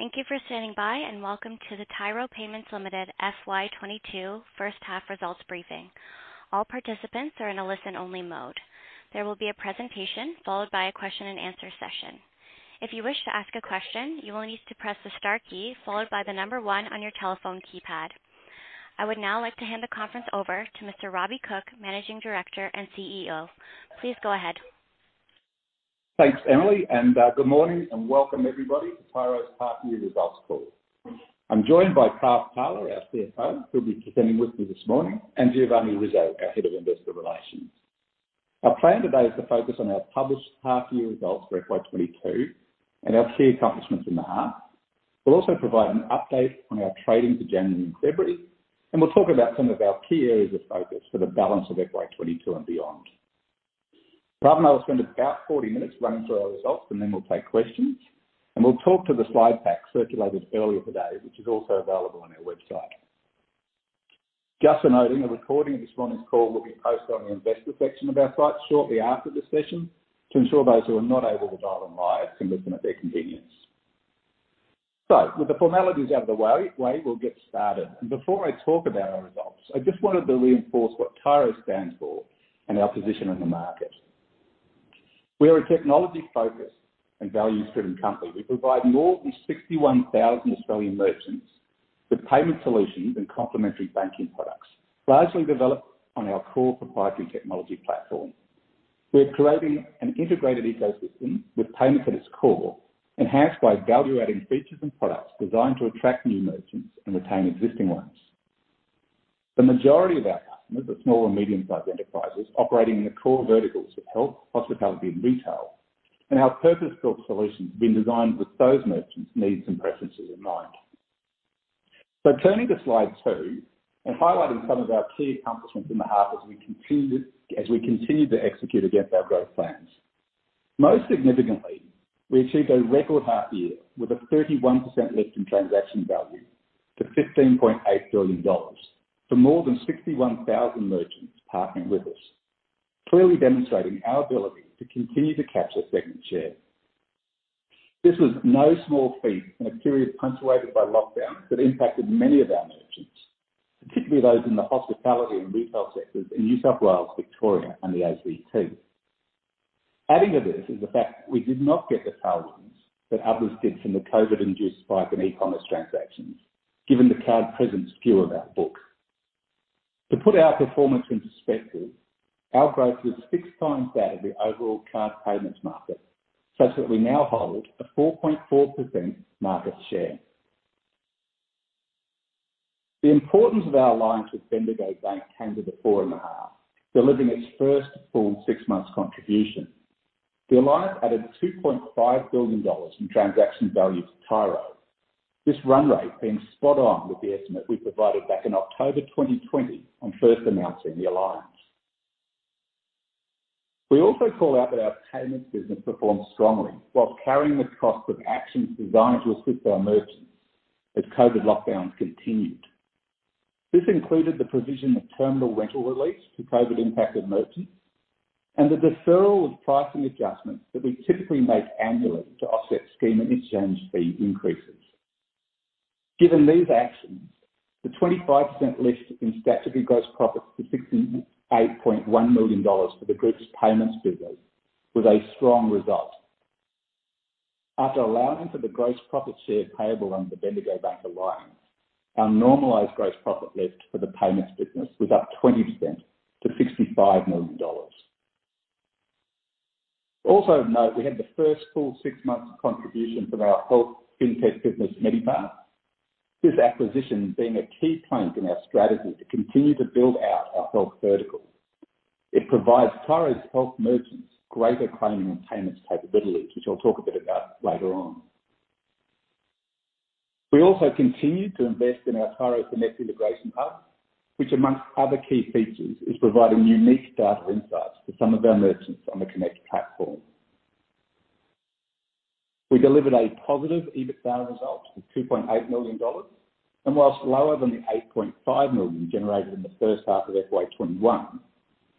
Thank you for standing by, and welcome to the Tyro Payments Limited FY 2022 H1 results briefing. All participants are in a listen only mode. There will be a presentation followed by a question-and-answer session. If you wish to ask a question, you will need to press the star key followed by the number one on your telephone keypad. I would now like to hand the conference over to Mr. Robbie Cooke, Managing Director and CEO. Please go ahead. Thanks, Emily, and good morning and welcome everybody to Tyro's half year results call. I'm joined by Prav Pala, our CFO, who'll be presenting with me this morning, and Giovanni Rizzo, our Head of Investor Relations. Our plan today is to focus on our published half year results for FY 2022 and our key accomplishments in the half. We'll also provide an update on our trading for January and February, and we'll talk about some of our key areas of focus for the balance of FY 2022 and beyond. Prav and I will spend about 40 minutes running through our results, and then we'll take questions. We'll talk to the slide pack circulated earlier today, which is also available on our website. Just a noting, a recording of this earnings call will be posted on the investor section of our site shortly after the session to ensure those who are not able to dial in live can listen at their convenience. With the formalities out of the way, we'll get started. Before I talk about our results, I just wanted to reinforce what Tyro stands for and our position in the market. We are a technology-focused and value-driven company. We provide more than 61,000 Australian merchants with payment solutions and complementary banking products, largely developed on our core proprietary technology platform. We are creating an integrated ecosystem with payments at its core, enhanced by value-adding features and products designed to attract new merchants and retain existing ones. The majority of our customers are small and medium-sized enterprises operating in the core verticals of health, hospitality, and retail, and our purpose-built solutions have been designed with those merchants' needs and preferences in mind. Turning to slide two and highlighting some of our key accomplishments in the half as we continued to execute against our growth plans. Most significantly, we achieved a record half year with a 31% lift in transaction value to 15.8 billion dollars for more than 61,000 merchants partnering with us, clearly demonstrating our ability to continue to capture segment share. This was no small feat in a period punctuated by lockdowns that impacted many of our merchants, particularly those in the hospitality and retail sectors in New South Wales, Victoria, and the ACT. Adding to this is the fact that we did not get the tailwinds that others did from the COVID-induced spike in e-commerce transactions, given the card-present skew of our book. To put our performance in perspective, our growth was six times that of the overall card payments market, such that we now hold a 4.4% market share. The importance of our alliance with Bendigo Bank came to the fore in the half, delivering its first full six months contribution. The alliance added 2.5 billion dollars in transaction value to Tyro. This run rate being spot on with the estimate we provided back in October 2020 on first announcing the alliance. We also call out that our payments business performed strongly while carrying the cost of actions designed to assist our merchants as COVID lockdowns continued. This included the provision of terminal rental release to COVID-impacted merchants and the deferral of pricing adjustments that we typically make annually to offset scheme and interchange fee increases. Given these actions, the 25% lift in statutory gross profits to 68.1 million dollars for the group's payments business was a strong result. After allowing for the gross profit share payable under the Bendigo Bank alliance, our normalized gross profit lift for the payments business was up 20% to 65 million dollars. Also of note, we had the first full 6 months of contribution from our health fintech business, Medipass, this acquisition being a key plank in our strategy to continue to build out our health vertical. It provides Tyro's health merchants greater claiming and payments capabilities, which I'll talk a bit about later on. We also continued to invest in our Tyro Connect integration hub, which among other key features is providing unique data insights to some of our merchants on the Connect platform. We delivered a positive EBITDA result of 2.8 million dollars. Whilst lower than the 8.5 million generated in the H1 of FY 2021,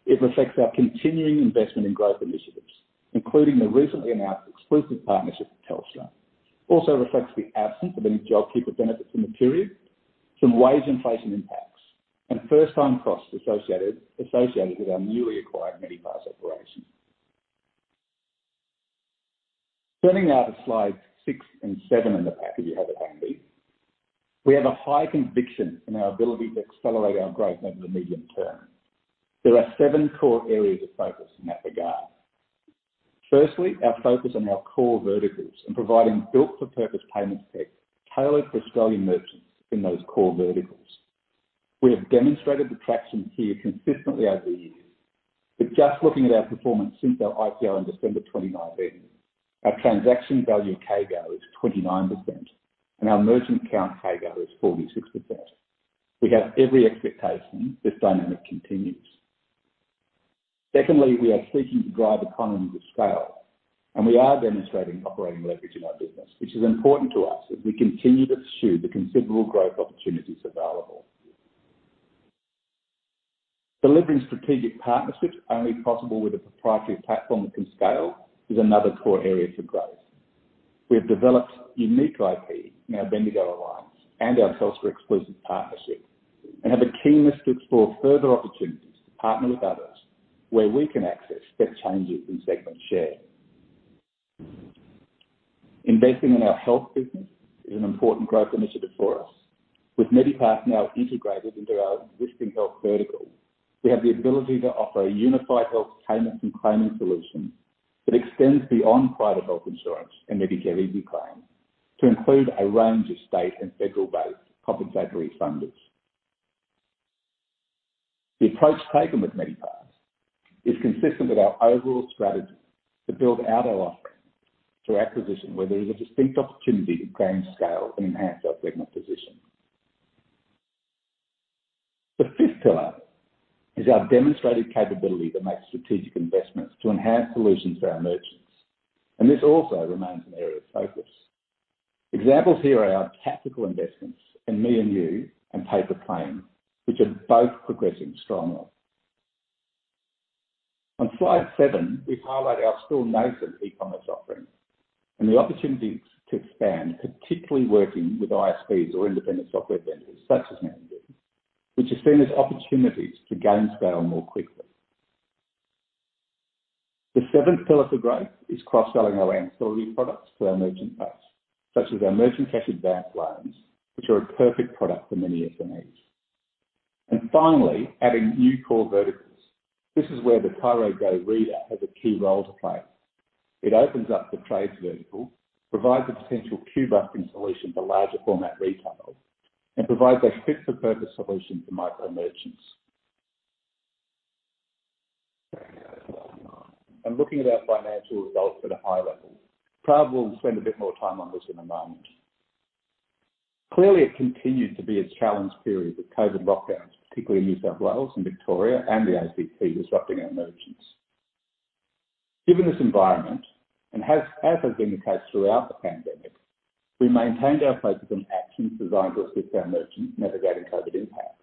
it reflects our continuing investment in growth initiatives, including the recently announced exclusive partnership with Telstra, the absence of any JobKeeper benefits in the period, some wage inflation impacts, and first-time costs associated with our newly acquired Medipass operation. Turning now to slides six and seven in the pack if you have it handy. We have a high conviction in our ability to accelerate our growth over the medium term. There are seven core areas of focus in that regard. Firstly, our focus on our core verticals and providing built-for-purpose payments tech tailored for Australian merchants in those core verticals. We have demonstrated the traction here consistently over the years, but just looking at our performance since our IPO in December 2019, our transaction value CAGR is 29%, and our merchant count CAGR is 46%. We have every expectation this dynamic continues. Secondly, we are seeking to drive economies of scale, and we are demonstrating operating leverage in our business, which is important to us as we continue to pursue the considerable growth opportunities available. Delivering strategic partnerships only possible with a proprietary platform that can scale is another core area for growth. We have developed unique IP in our Bendigo Alliance and our Telstra exclusive partnership, and have a keenness to explore further opportunities to partner with others where we can access step changes in segment share. Investing in our health business is an important growth initiative for us. With Medipass now integrated into our existing health vertical, we have the ability to offer a unified health payments and claiming solution that extends beyond private health insurance and Medicare Easyclaim to include a range of state and federal-based compensatory funders. The approach taken with Medipass is consistent with our overall strategy to build out our offering through acquisition, where there is a distinct opportunity to gain scale and enhance our segment position. The fifth pillar is our demonstrated capability to make strategic investments to enhance solutions for our merchants, and this also remains an area of focus. Examples here are our tactical investments in Me & You and Paper Claim, which are both progressing strongly. On slide seven, we've highlighted our still nascent e-commerce offering and the opportunities to expand, particularly working with ISVs or independent software vendors such as Me & You, which is seen as opportunities to gain scale more quickly. The seventh pillar for growth is cross selling our ancillary products to our merchant base, such as our merchant cash advance loans, which are a perfect product for many SMEs. Finally, adding new core verticals. This is where the Tyro Go reader has a key role to play. It opens up the trade's vertical, provides a potential queue busting solution for larger format retail, and provides a fit for purpose solution for micro merchants. Looking at our financial results at a high level. Prav, we'll spend a bit more time on this in a moment. Clearly, it continued to be a challenged period with COVID lockdowns, particularly in New South Wales and Victoria and the ACT, disrupting our merchants. Given this environment, as has been the case throughout the pandemic, we maintained our focus on actions designed to assist our merchants navigating COVID impacts.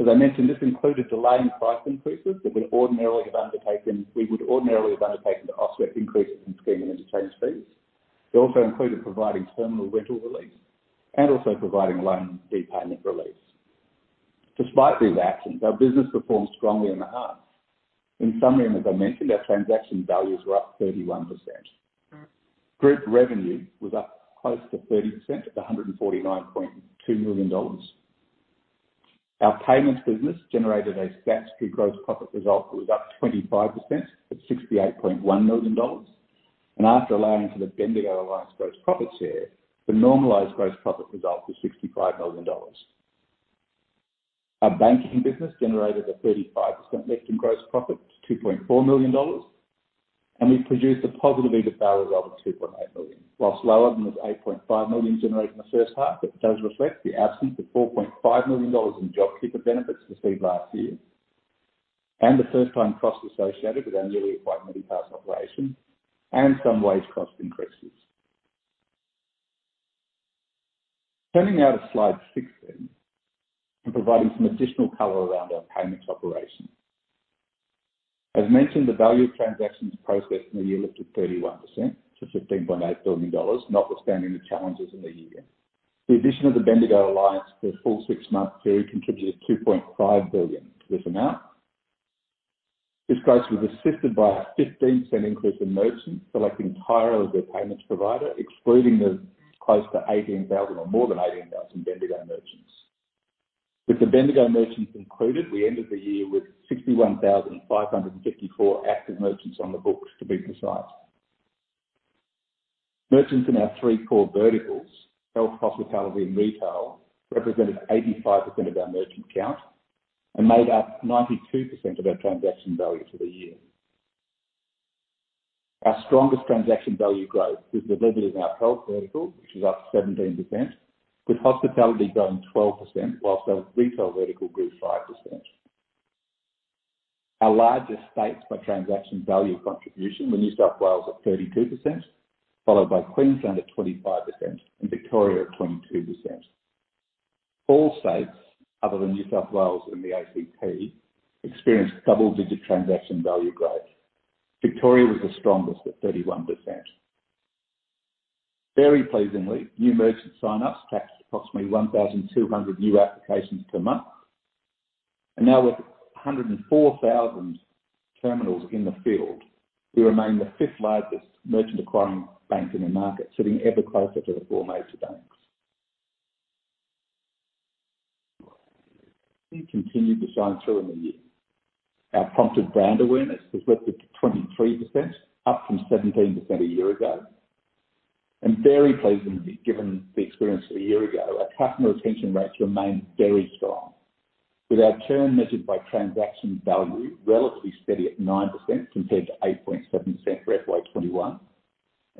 As I mentioned, this included delaying price increases we would ordinarily have undertaken to offset increases in scheme and interchange fees. It also included providing terminal rental relief and also providing loan repayment relief. Despite these actions, our business performed strongly in the half. In summary, as I mentioned, our transaction values were up 31%. Group revenue was up close to 30% at 149.2 million dollars. Our payments business generated a statutory gross profit result that was up 25% at 68.1 million dollars. After allowing for the Bendigo Alliance gross profit share, the normalized gross profit result was 65 million dollars. Our banking business generated a 35% lift in gross profit to 2.4 million dollars. We produced a positive EBITDA result of 2.8 million, while lower than the 8.5 million generated in the H1. That does reflect the absence of 4.5 million dollars in JobKeeper benefits received last year, and the first time costs associated with our newly acquired Medipass operation and some wage cost increases. Turning now to slide 16 and providing some additional color around our payments operation. As mentioned, the value of transactions processed in the year lifted 31% to 15.8 billion dollars, notwithstanding the challenges in the year. The addition of the Bendigo alliance for the full six-month period contributed 2.5 billion to this amount. This growth was assisted by a 15% increase in merchants selecting Tyro as their payments provider, excluding the close to 18,000 or more than 18,000 Bendigo merchants. With the Bendigo merchants included, we ended the year with 61,554 active merchants on the books, to be precise. Merchants in our three core verticals, health, hospitality, and retail, represented 85% of our merchant count and made up 92% of our transaction value for the year. Our strongest transaction value growth was delivered in our health vertical, which is up 17%, with hospitality growing 12% while our retail vertical grew 5%. Our largest states by transaction value contribution were New South Wales at 32%, followed by Queensland at 25% and Victoria at 22%. All states other than New South Wales and the ACT experienced double-digit transaction value growth. Victoria was the strongest at 31%. Very pleasingly, new merchant sign-ups capped approximately 1,200 new applications per month. Now with 104,000 terminals in the field, we remain the fifth largest merchant acquiring bank in the market, sitting ever closer to the four major banks. We continued to shine through in the year. Our prompted brand awareness has lifted to 23%, up from 17% a year ago. Very pleasingly, given the experience of a year ago, our customer retention rates remained very strong, with our churn measured by transaction value relatively steady at 9% compared to 8.7% for FY 2021.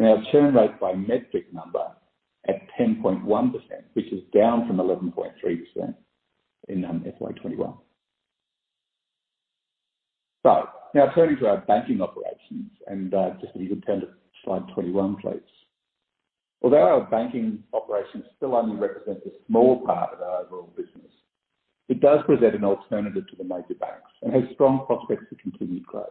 Our churn rate by metric number at 10.1%, which is down from 11.3% in FY 2021. Now turning to our banking operations and just if you could turn to slide 21, please. Although our banking operations still only represent a small part of our overall business, it does present an alternative to the major banks and has strong prospects for continued growth.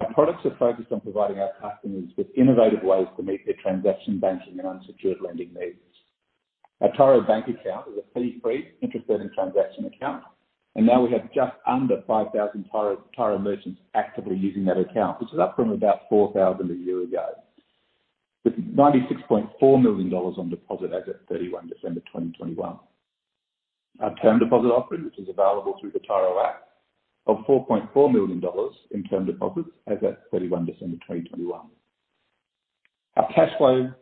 Our products are focused on providing our customers with innovative ways to meet their transaction banking and unsecured lending needs. Our Tyro Bank Account is a fee-free interest-bearing transaction account, and now we have just under 5,000 Tyro merchants actively using that account, which is up from about 4,000 a year ago, with AUD 96.4 million on deposit as at 31 December 2021. Our term deposit offering, which is available through the Tyro App of 4.4 million dollars in term deposits as at 31 December 2021. Our cash flow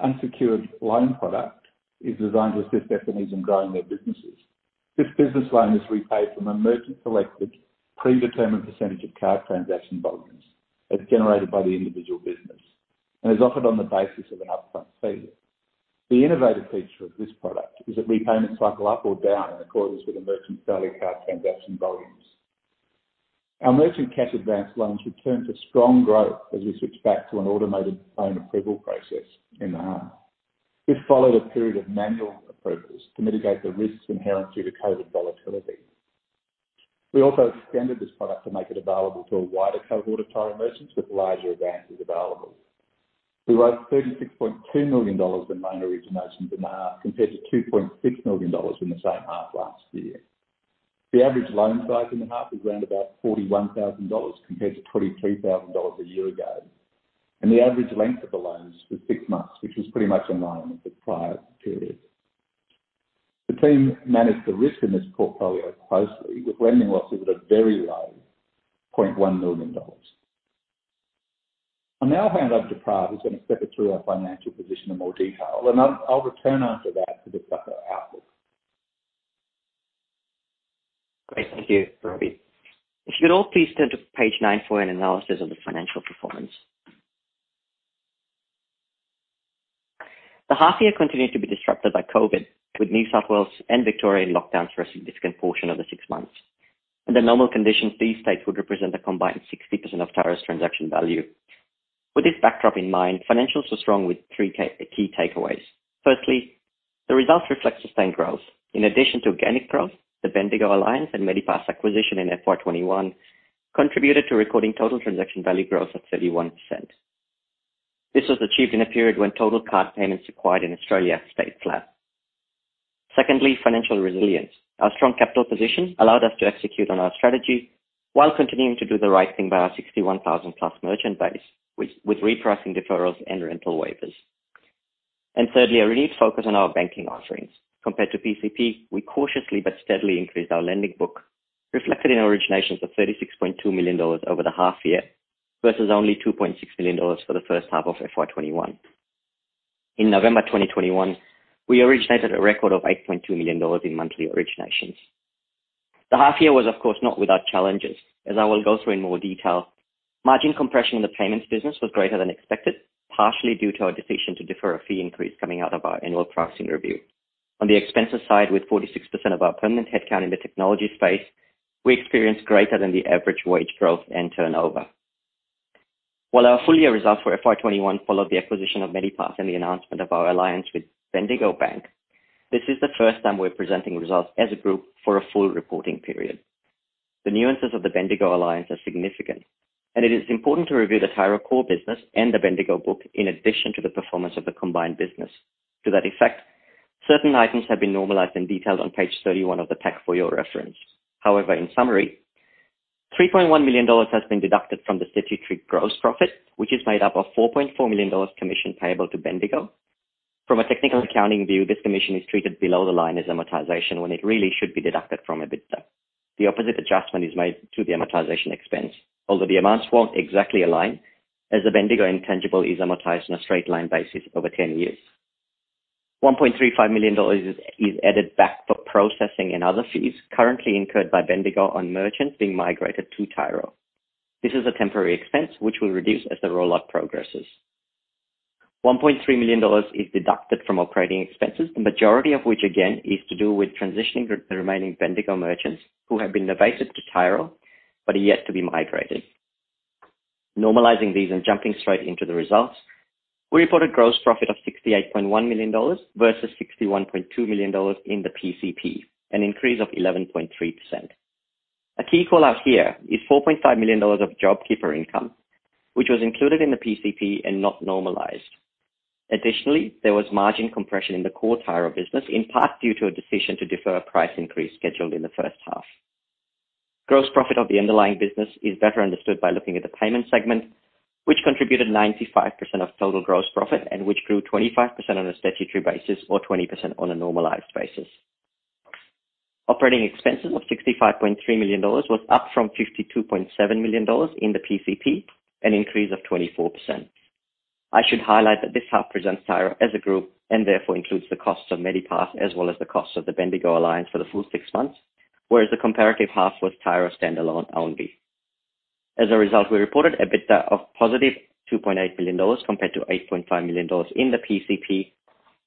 unsecured loan product is designed to assist their needs in growing their businesses. This business loan is repaid from a merchant-selected predetermined percentage of card transaction volumes as generated by the individual business and is offered on the basis of an upfront fee. The innovative feature of this product is its repayment cycle up or down in accordance with the merchant's daily card transaction volumes. Our merchant cash advance loans returned to strong growth as we switched back to an automated loan approval process in the half. This followed a period of manual approvals to mitigate the risks inherent due to COVID volatility. We also extended this product to make it available to a wider cohort of Tyro merchants with larger advances available. We wrote 36.2 million dollars in loan originations in the half compared to 2.6 million dollars in the same half last year. The average loan size in the half was around about 41,000 dollars compared to 23,000 dollars a year ago, and the average length of the loans was six months, which was pretty much in line with the prior period. The team managed the risk in this portfolio closely, with lending losses at a very low 0.1 million dollars. I'll now hand over to Prav, who's going to step you through our financial position in more detail, and I'll return after that to discuss our outlook. Great, thank you, Robbie. If you could all please turn to page 9 for an analysis of the financial performance. The half year continued to be disrupted by COVID, with New South Wales and Victoria in lockdowns for a significant portion of the six months. Under normal conditions, these states would represent a combined 60% of Tyro's transaction value. With this backdrop in mind, financials are strong with three key takeaways. Firstly, the results reflect sustained growth. In addition to organic growth, the Bendigo alliance and Medipass acquisition in FY 2021 contributed to recording total transaction value growth of 31%. This was achieved in a period when total card payments acquired in Australia stayed flat. Secondly, financial resilience. Our strong capital position allowed us to execute on our strategy while continuing to do the right thing by our 61,000+ merchant base with repricing deferrals and rental waivers. Thirdly, a renewed focus on our banking offerings. Compared to PCP, we cautiously but steadily increased our lending book, reflected in originations of 36.2 million dollars over the half year versus only 2.6 million dollars for the H1 of FY 2021. In November 2021, we originated a record of 8.2 million dollars in monthly originations. The half year was, of course, not without challenges, as I will go through in more detail. Margin compression in the payments business was greater than expected, partially due to our decision to defer a fee increase coming out of our annual pricing review. On the expenses side, with 46% of our permanent headcount in the technology space, we experienced greater than the average wage growth and turnover. While our full year results for FY 2021 followed the acquisition of Medipass and the announcement of our alliance with Bendigo Bank, this is the first time we're presenting results as a group for a full reporting period. The nuances of the Bendigo alliance are significant, and it is important to review the Tyro core business and the Bendigo book in addition to the performance of the combined business. To that effect, certain items have been normalized and detailed on page 31 of the pack for your reference. However, in summary, 3.1 million dollars has been deducted from the statutory gross profit, which is made up of 4.4 million dollars commission payable to Bendigo. From a technical accounting view, this commission is treated below the line as amortization when it really should be deducted from EBITDA. The opposite adjustment is made to the amortization expense, although the amounts won't exactly align as the Bendigo intangible is amortized on a straight-line basis over 10 years. 1.35 million dollars is added back for processing and other fees currently incurred by Bendigo on merchants being migrated to Tyro. This is a temporary expense which will reduce as the rollout progresses. 1.3 million dollars is deducted from operating expenses, the majority of which, again, is to do with transitioning the remaining Bendigo merchants who have been integrated to Tyro but are yet to be migrated. Normalizing these and jumping straight into the results, we report a gross profit of AUD 68.1 million versus AUD 61.2 million in the PCP, an increase of 11.3%. A key call-out here is 4.5 million dollars of JobKeeper income, which was included in the PCP and not normalized. Additionally, there was margin compression in the core Tyro business, in part due to a decision to defer a price increase scheduled in the H1. Gross profit of the underlying business is better understood by looking at the payment segment, which contributed 95% of total gross profit and which grew 25% on a statutory basis or 20% on a normalized basis. Operating expenses of 65.3 million dollars was up from 52.7 million dollars in the PCP, an increase of 24%. I should highlight that this half presents Tyro as a group and therefore includes the costs of Medipass as well as the costs of the Bendigo alliance for the full six months, whereas the comparative half was Tyro standalone only. As a result, we reported EBITDA of positive 2.8 million dollars compared to 8.5 million dollars in the PCP.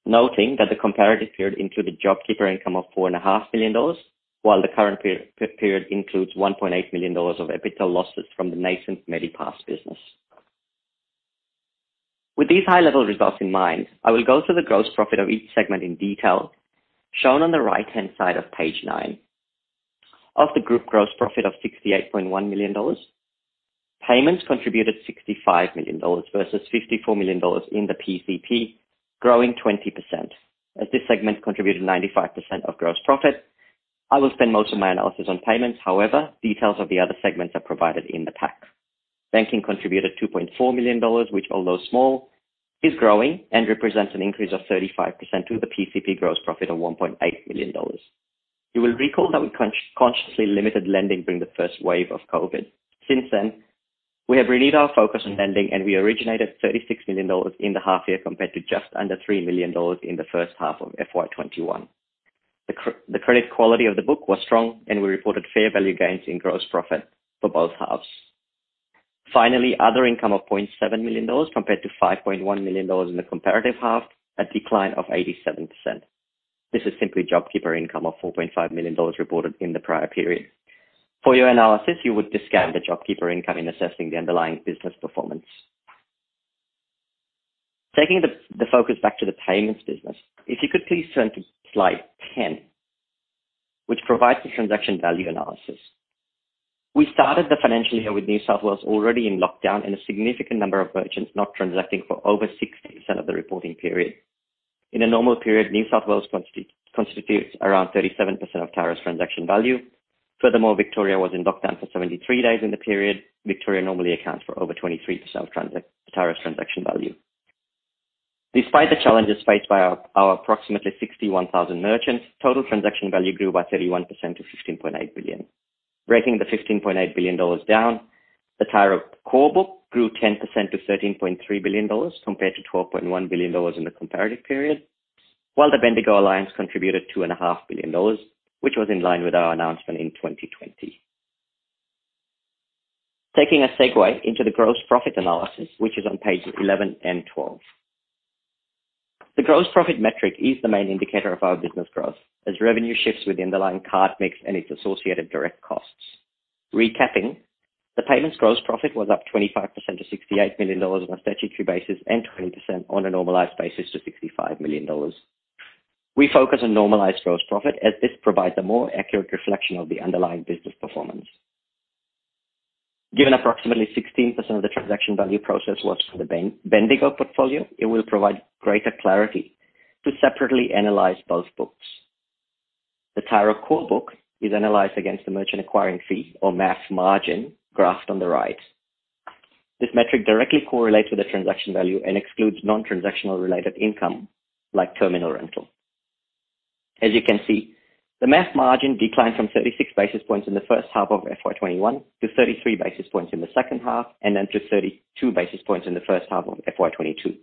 Noting that the comparative period included JobKeeper income of 4.5 million dollars, while the current period includes 1.8 million dollars of EBITDA losses from the nascent Medipass business. With these high-level results in mind, I will go through the gross profit of each segment in detail, shown on the right-hand side of page nine. Of the group gross profit of 68.1 million dollars, payments contributed 65 million dollars versus 54 million dollars in the PCP, growing 20%. As this segment contributed 95% of gross profit, I will spend most of my analysis on payments. However, details of the other segments are provided in the pack. Banking contributed 2.4 million dollars, which although small, is growing and represents an increase of 35% to the PCP gross profit of 1.8 million dollars. You will recall that we consciously limited lending during the first wave of COVID. Since then, we have renewed our focus on lending, and we originated 36 million dollars in the half year compared to just under 3 million dollars in the H1 of FY 2021. The credit quality of the book was strong and we reported fair value gains in gross profit for both halves. Finally, other income of 0.7 million dollars compared to 5.1 million dollars in the comparative half, a decline of 87%. This is simply JobKeeper income of 4.5 million dollars reported in the prior period. For your analysis, you would discount the JobKeeper income in assessing the underlying business performance. Taking the focus back to the payments business, if you could please turn to slide 10, which provides the transaction value analysis. We started the financial year with New South Wales already in lockdown and a significant number of merchants not transacting for over 60% of the reporting period. In a normal period, New South Wales constitutes around 37% of Tyro's transaction value. Furthermore, Victoria was in lockdown for 73 days in the period. Victoria normally accounts for over 23% of Tyro's transaction value. Despite the challenges faced by our approximately 61,000 merchants, total transaction value grew by 31% to 16.8 billion. Breaking the 15.8 billion dollars down, the Tyro core book grew 10% to 13.3 billion dollars compared to 12.1 billion dollars in the comparative period, while the Bendigo Alliance contributed 2.5 billion dollars, which was in line with our announcement in 2020. Taking a segue into the gross profit analysis, which is on page 11 and 12. The gross profit metric is the main indicator of our business growth as revenue shifts with underlying card mix and its associated direct costs. Recapping, the payments gross profit was up 25% to 68 million dollars on a statutory basis and 20% on a normalized basis to 65 million dollars. We focus on normalized gross profit as this provides a more accurate reflection of the underlying business performance. Given approximately 16% of the transaction value processed was in the Bendigo portfolio, it will provide greater clarity to separately analyze both books. The Tyro core book is analyzed against the merchant acquiring fee or MAF margin graphed on the right. This metric directly correlates with the transaction value and excludes non-transactional related income, like terminal rental. As you can see, the MAF margin declined from 36 basis points in the H1 of FY 2021 to 33 basis points in the H2 and then to 32 basis points in the H1 of FY 2022.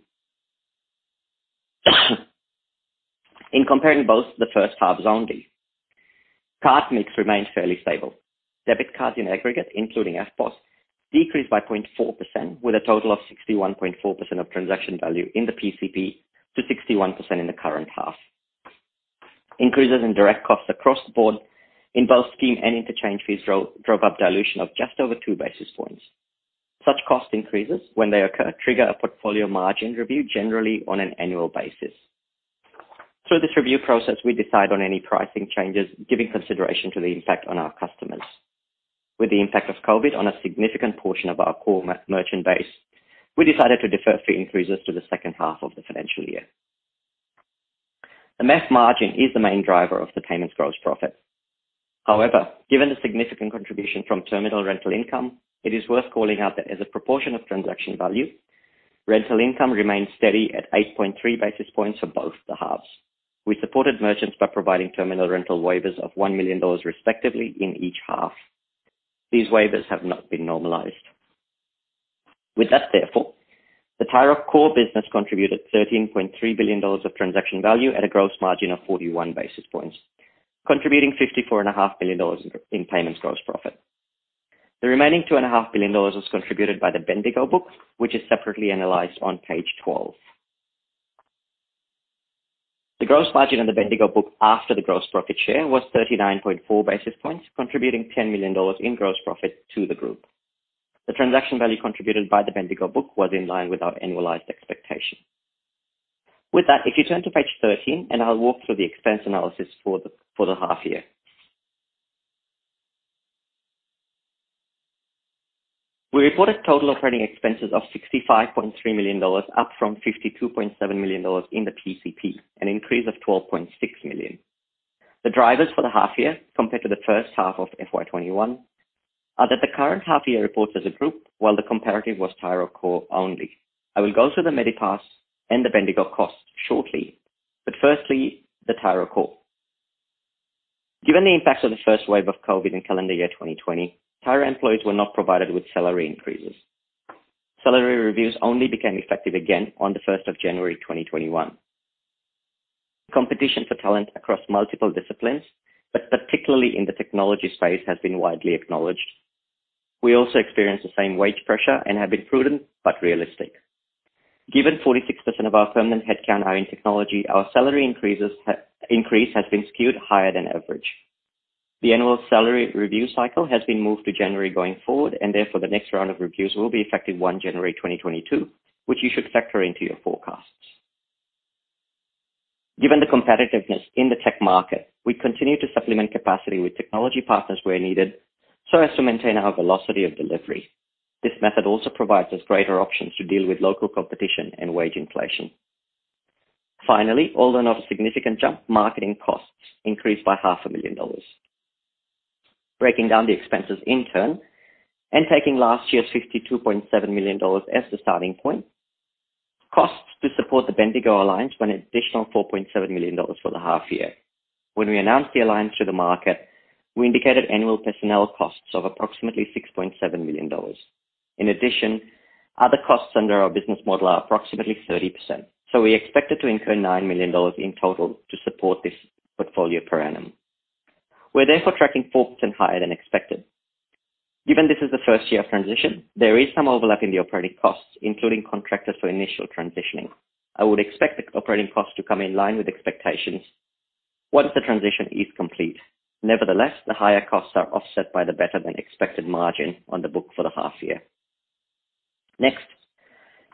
In comparing both the first halves only, card mix remains fairly stable. Debit cards in aggregate, including eftpos, decreased by 0.4% with a total of 61.4% of transaction value in the PCP to 61% in the current half. Increases in direct costs across the board in both scheme and interchange fees drove up dilution of just over two-basis points. Such cost increases, when they occur, trigger a portfolio margin review generally on an annual basis. Through this review process, we decide on any pricing changes, giving consideration to the impact on our customers. With the impact of COVID on a significant portion of our core merchant base, we decided to defer fee increases to the H2 of the financial year. The MAF margin is the main driver of the payments gross profit. However, given the significant contribution from terminal rental income, it is worth calling out that as a proportion of transaction value, rental income remains steady at 8.3 basis points for both the halves. We supported merchants by providing terminal rental waivers of 1 million dollars respectively in each half. These waivers have not been normalized. With that, therefore, the Tyro core business contributed 13.3 billion dollars of transaction value at a gross margin of 41 basis points, contributing 54.5 billion dollars in payments gross profit. The remaining 2.5 billion dollars was contributed by the Bendigo book, which is separately analyzed on page 12. The gross margin on the Bendigo book after the gross profit share was 39.4 basis points, contributing AUD 10 million in gross profit to the group. The transaction value contributed by the Bendigo book was in line with our annualized expectation. With that, if you turn to page 13, and I'll walk through the expense analysis for the half year. We reported total operating expenses of 65.3 million dollars, up from 52.7 million dollars in the PCP, an increase of 12.6 million. The drivers for the half year compared to the H1 of FY 2021 are that the current half year reports as a group, while the comparative was Tyro core only. I will go through the Medipass and the Bendigo costs shortly, but firstly, the Tyro core. Given the impact of the first wave of COVID in calendar year 2020, Tyro employees were not provided with salary increases. Salary reviews only became effective again on the first of January 2021. Competition for talent across multiple disciplines, but particularly in the technology space, has been widely acknowledged. We also experienced the same wage pressure and have been prudent but realistic. Given 46% of our permanent headcount are in technology, our salary increase has been skewed higher than average. The annual salary review cycle has been moved to January going forward, and therefore the next round of reviews will be effective 1st January 2022, which you should factor into your forecasts. Given the competitiveness in the tech market, we continue to supplement capacity with technology partners where needed, so as to maintain our velocity of delivery. This method also provides us greater options to deal with local competition and wage inflation. Finally, although not a significant jump, marketing costs increased by AUD half a million. Breaking down the expenses in turn and taking last year's 52.7 million dollars as the starting point, costs to support the Bendigo Alliance were an additional 4.7 million dollars for the half year. When we announced the alliance to the market, we indicated annual personnel costs of approximately 6.7 million dollars. In addition, other costs under our business model are approximately 30%, so we expected to incur 9 million dollars in total to support this portfolio per annum. We're therefore tracking 4% higher than expected. Given this is the first year of transition, there is some overlap in the operating costs, including contractors for initial transitioning. I would expect the operating costs to come in line with expectations once the transition is complete. Nevertheless, the higher costs are offset by the better than expected margin on the book for the half year.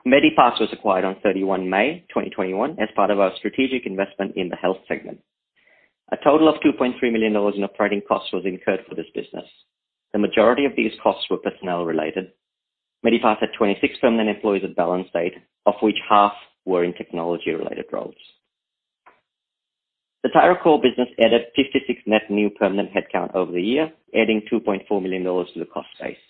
Medipass was acquired on 31st May 2021 as part of our strategic investment in the health segment. A total of 2.3 million dollars in operating costs was incurred for this business. The majority of these costs were personnel-related. Medipass had 26 permanent employees at balance date, of which half were in technology-related roles. The Tyro core business added 56 net new permanent headcount over the year, adding 2.4 million dollars to the cost base.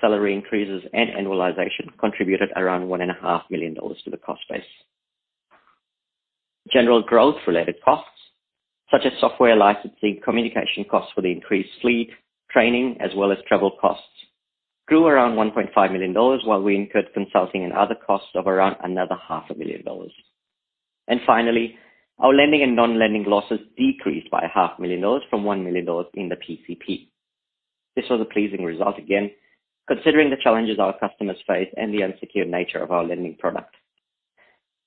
Salary increases and annualization contributed around 1.5 million to the cost base. General growth-related costs such as software licensing, communication costs for the increased fleet, training, as well as travel costs grew around 1.5 million dollars, while we incurred consulting and other costs of around another 0.5 million. Finally, our lending and non-lending losses decreased by half a million AUD dollars from 1 million dollars in the PCP. This was a pleasing result again, considering the challenges our customers face and the unsecured nature of our lending product.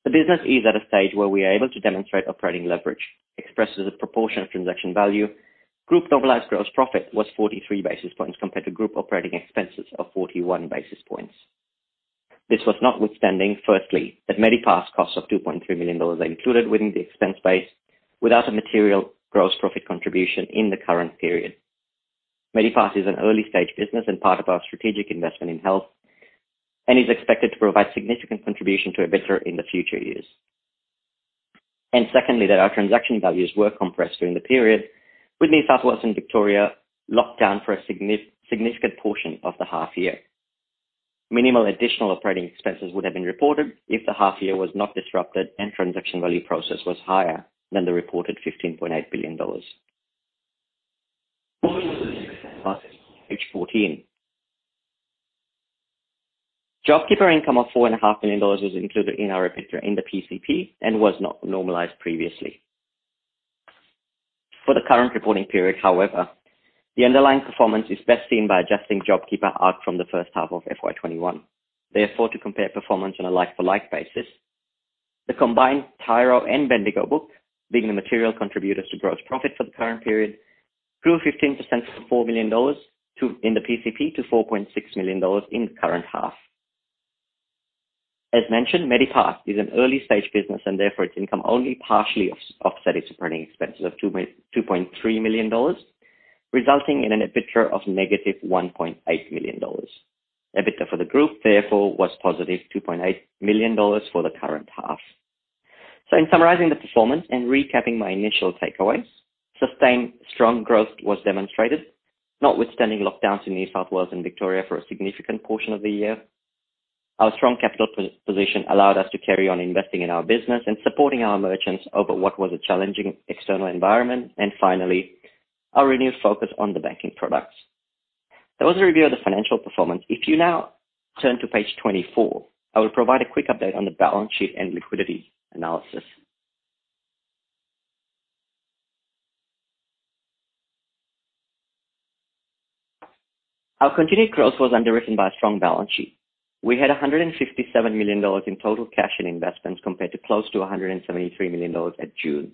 The business is at a stage where we are able to demonstrate operating leverage expressed as a proportion of transaction value. Group normalized gross profit was 43-basis points compared to group operating expenses of 41-basis points. This was notwithstanding firstly that Medi pass costs of 2.3 million dollars are included within the expense base without a material gross profit contribution in the current period. Medi pass is an early-stage business and part of our strategic investment in health and is expected to provide significant contribution to EBITDA in the future years. Secondly, that our transaction values were compressed during the period with New South Wales and Victoria locked down for a significant portion of the half year. Minimal additional operating expenses would have been reported if the half year was not disrupted and transaction value growth was higher than the reported 15.8 billion dollars. Moving to the next slide, page 14. JobKeeper income of 4.5 million dollars was included in our EBITDA in the PCP and was not normalized previously. For the current reporting period, however, the underlying performance is best seen by adjusting JobKeeper out from the H1 of FY 2021. Therefore, to compare performance on a like-for-like basis, the combined Tyro and Bendigo book, being the material contributors to gross profit for the current period, grew 15% from 4 million dollars in the PCP to 4.6 million dollars in the current half. As mentioned, Medipass is an early-stage business and therefore its income only partially offset its operating expenses of AUD 2.3 million, resulting in an EBITDA of -AUD 1.8 million. EBITDA for the group, therefore, was positive AUD 2.8 million for the current half. In summarizing the performance and recapping my initial takeaways, sustained strong growth was demonstrated, notwithstanding lockdowns in New South Wales and Victoria for a significant portion of the year. Our strong capital position allowed us to carry on investing in our business and supporting our merchants over what was a challenging external environment. Finally, our renewed focus on the banking products. That was a review of the financial performance. If you now turn to page 24, I will provide a quick update on the balance sheet and liquidity analysis. Our continued growth was underwritten by a strong balance sheet. We had 157 million dollars in total cash and investments compared to close to 173 million dollars at June.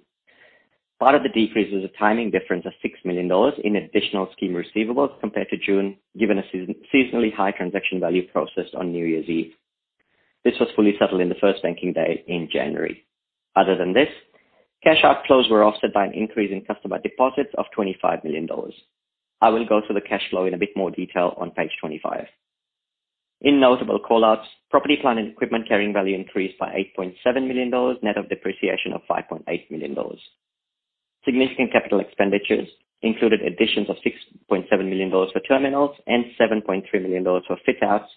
Part of the decrease was a timing difference of 6 million dollars in additional scheme receivables compared to June, given a seasonally high transaction value processed on New Year's Eve. This was fully settled in the first banking day in January. Other than this, cash outflows were offset by an increase in customer deposits of 25 million dollars. I will go through the cash flow in a bit more detail on page 25. In notable call-outs, property, plant, and equipment carrying value increased by 8.7 million dollars, net of depreciation of 5.8 million dollars. Significant capital expenditures included additions of 6.7 million dollars for terminals and 7.3 million dollars for fit-outs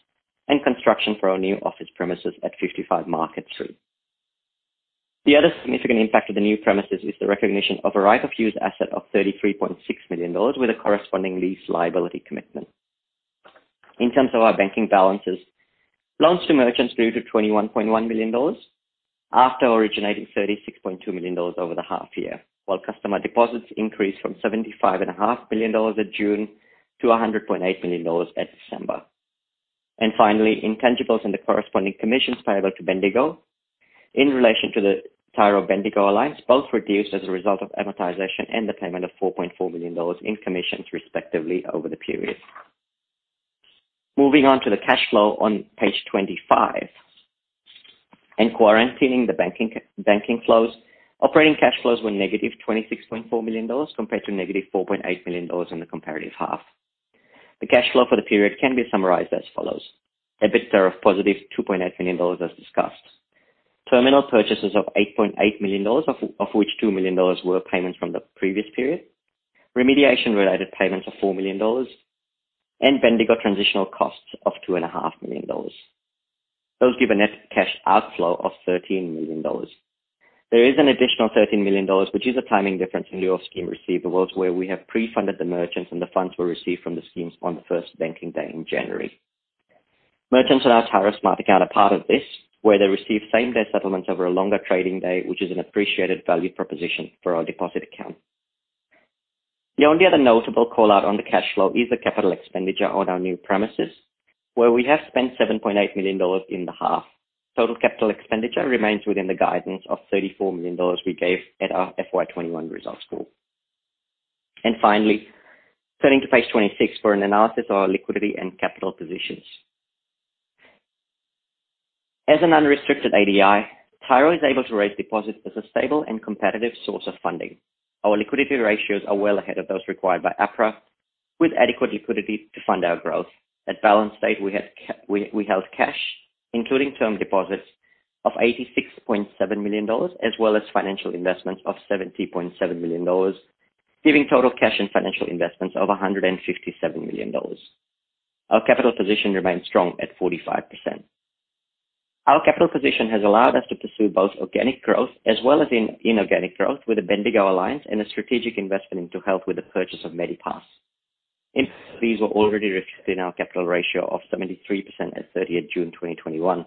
and construction for our new office premises at 55 Market Street. The other significant impact of the new premises is the recognition of a right-of-use asset of 33.6 million dollars with a corresponding lease liability commitment. In terms of our banking balances, loans to merchants grew to 21.1 million dollars after originating 36.2 million dollars over the half year, while customer deposits increased from 75.5 million dollars at June to 100.8 million dollars at December. Finally, intangibles and the corresponding commissions payable to Bendigo in relation to the Tyro Bendigo alliance both reduced as a result of amortization and the payment of 4.4 million dollars in commissions respectively over the period. Moving on to the cash flow on page 25, quarantining the banking flows. Operating cash flows were -26.4 million dollars compared to -4.8 million dollars in the comparative half. The cash flow for the period can be summarized as follows. EBITDA of 2.8 million dollars, as discussed. Terminal purchases of 8.8 million dollars, of which 2 million dollars were payments from the previous period. Remediation-related payments of 4 million dollars, and Bendigo transitional costs of 2.5 million dollars. Those give a net cash outflow of 13 million dollars. There is an additional 13 million dollars, which is a timing difference in lieu of scheme receivables, where we have pre-funded the merchants, and the funds were received from the schemes on the first banking day in January. Merchants without Tyro Smart Account are part of this, where they receive same-day settlements over a longer trading day, which is an appreciated value proposition for our deposit account. The only other notable call-out on the cash flow is the capital expenditure on our new premises, where we have spent 7.8 million dollars in the half. Total capital expenditure remains within the guidance of 34 million dollars we gave at our FY 2021 results call. Finally, turning to page 26 for an analysis of our liquidity and capital positions. As an unrestricted ADI, Tyro is able to raise deposits as a stable and competitive source of funding. Our liquidity ratios are well ahead of those required by APRA, with adequate liquidity to fund our growth. At balance date, we held cash, including term deposits of 86.7 million dollars, as well as financial investments of 70.7 million dollars, giving total cash and financial investments of 157 million dollars. Our capital position remains strong at 45%. Our capital position has allowed us to pursue both organic growth as well as inorganic growth with the Bendigo alliance and a strategic investment into health with the purchase of Medipass. These were already reflected in our capital ratio of 73% at 30th June 2021.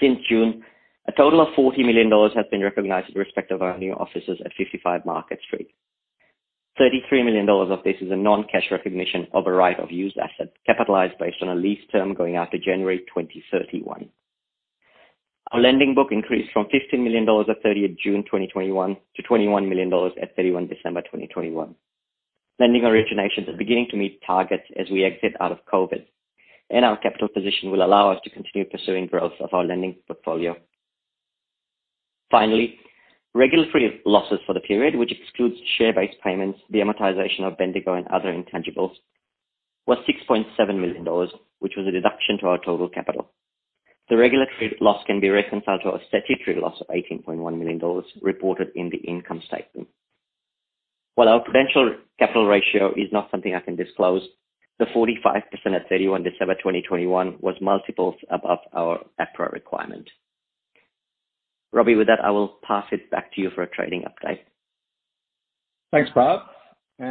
Since June, a total of 40 million dollars has been recognized with respect to our new offices at 55 Market Street. 33 million dollars of this is a non-cash recognition of a right of use asset, capitalized based on a lease term going out to January 2031. Our lending book increased from 15 million dollars at 30th June 2021 to 21 million dollars at 31st December 2021. Lending originations are beginning to meet targets as we exit out of COVID, and our capital position will allow us to continue pursuing growth of our lending portfolio. Finally, regulatory losses for the period, which excludes share-based payments, the amortization of Bendigo and other intangibles, was 6.7 million dollars, which was a deduction to our total capital. The regulatory loss can be reconciled to a statutory loss of AUD 18.1 million reported in the income statement. While our potential capital ratio is not something I can disclose, the 45% at 31 December 2021 was multiples above our APRA requirement. Robbie, with that, I will pass it back to you for a trading update. Thanks, Prav. We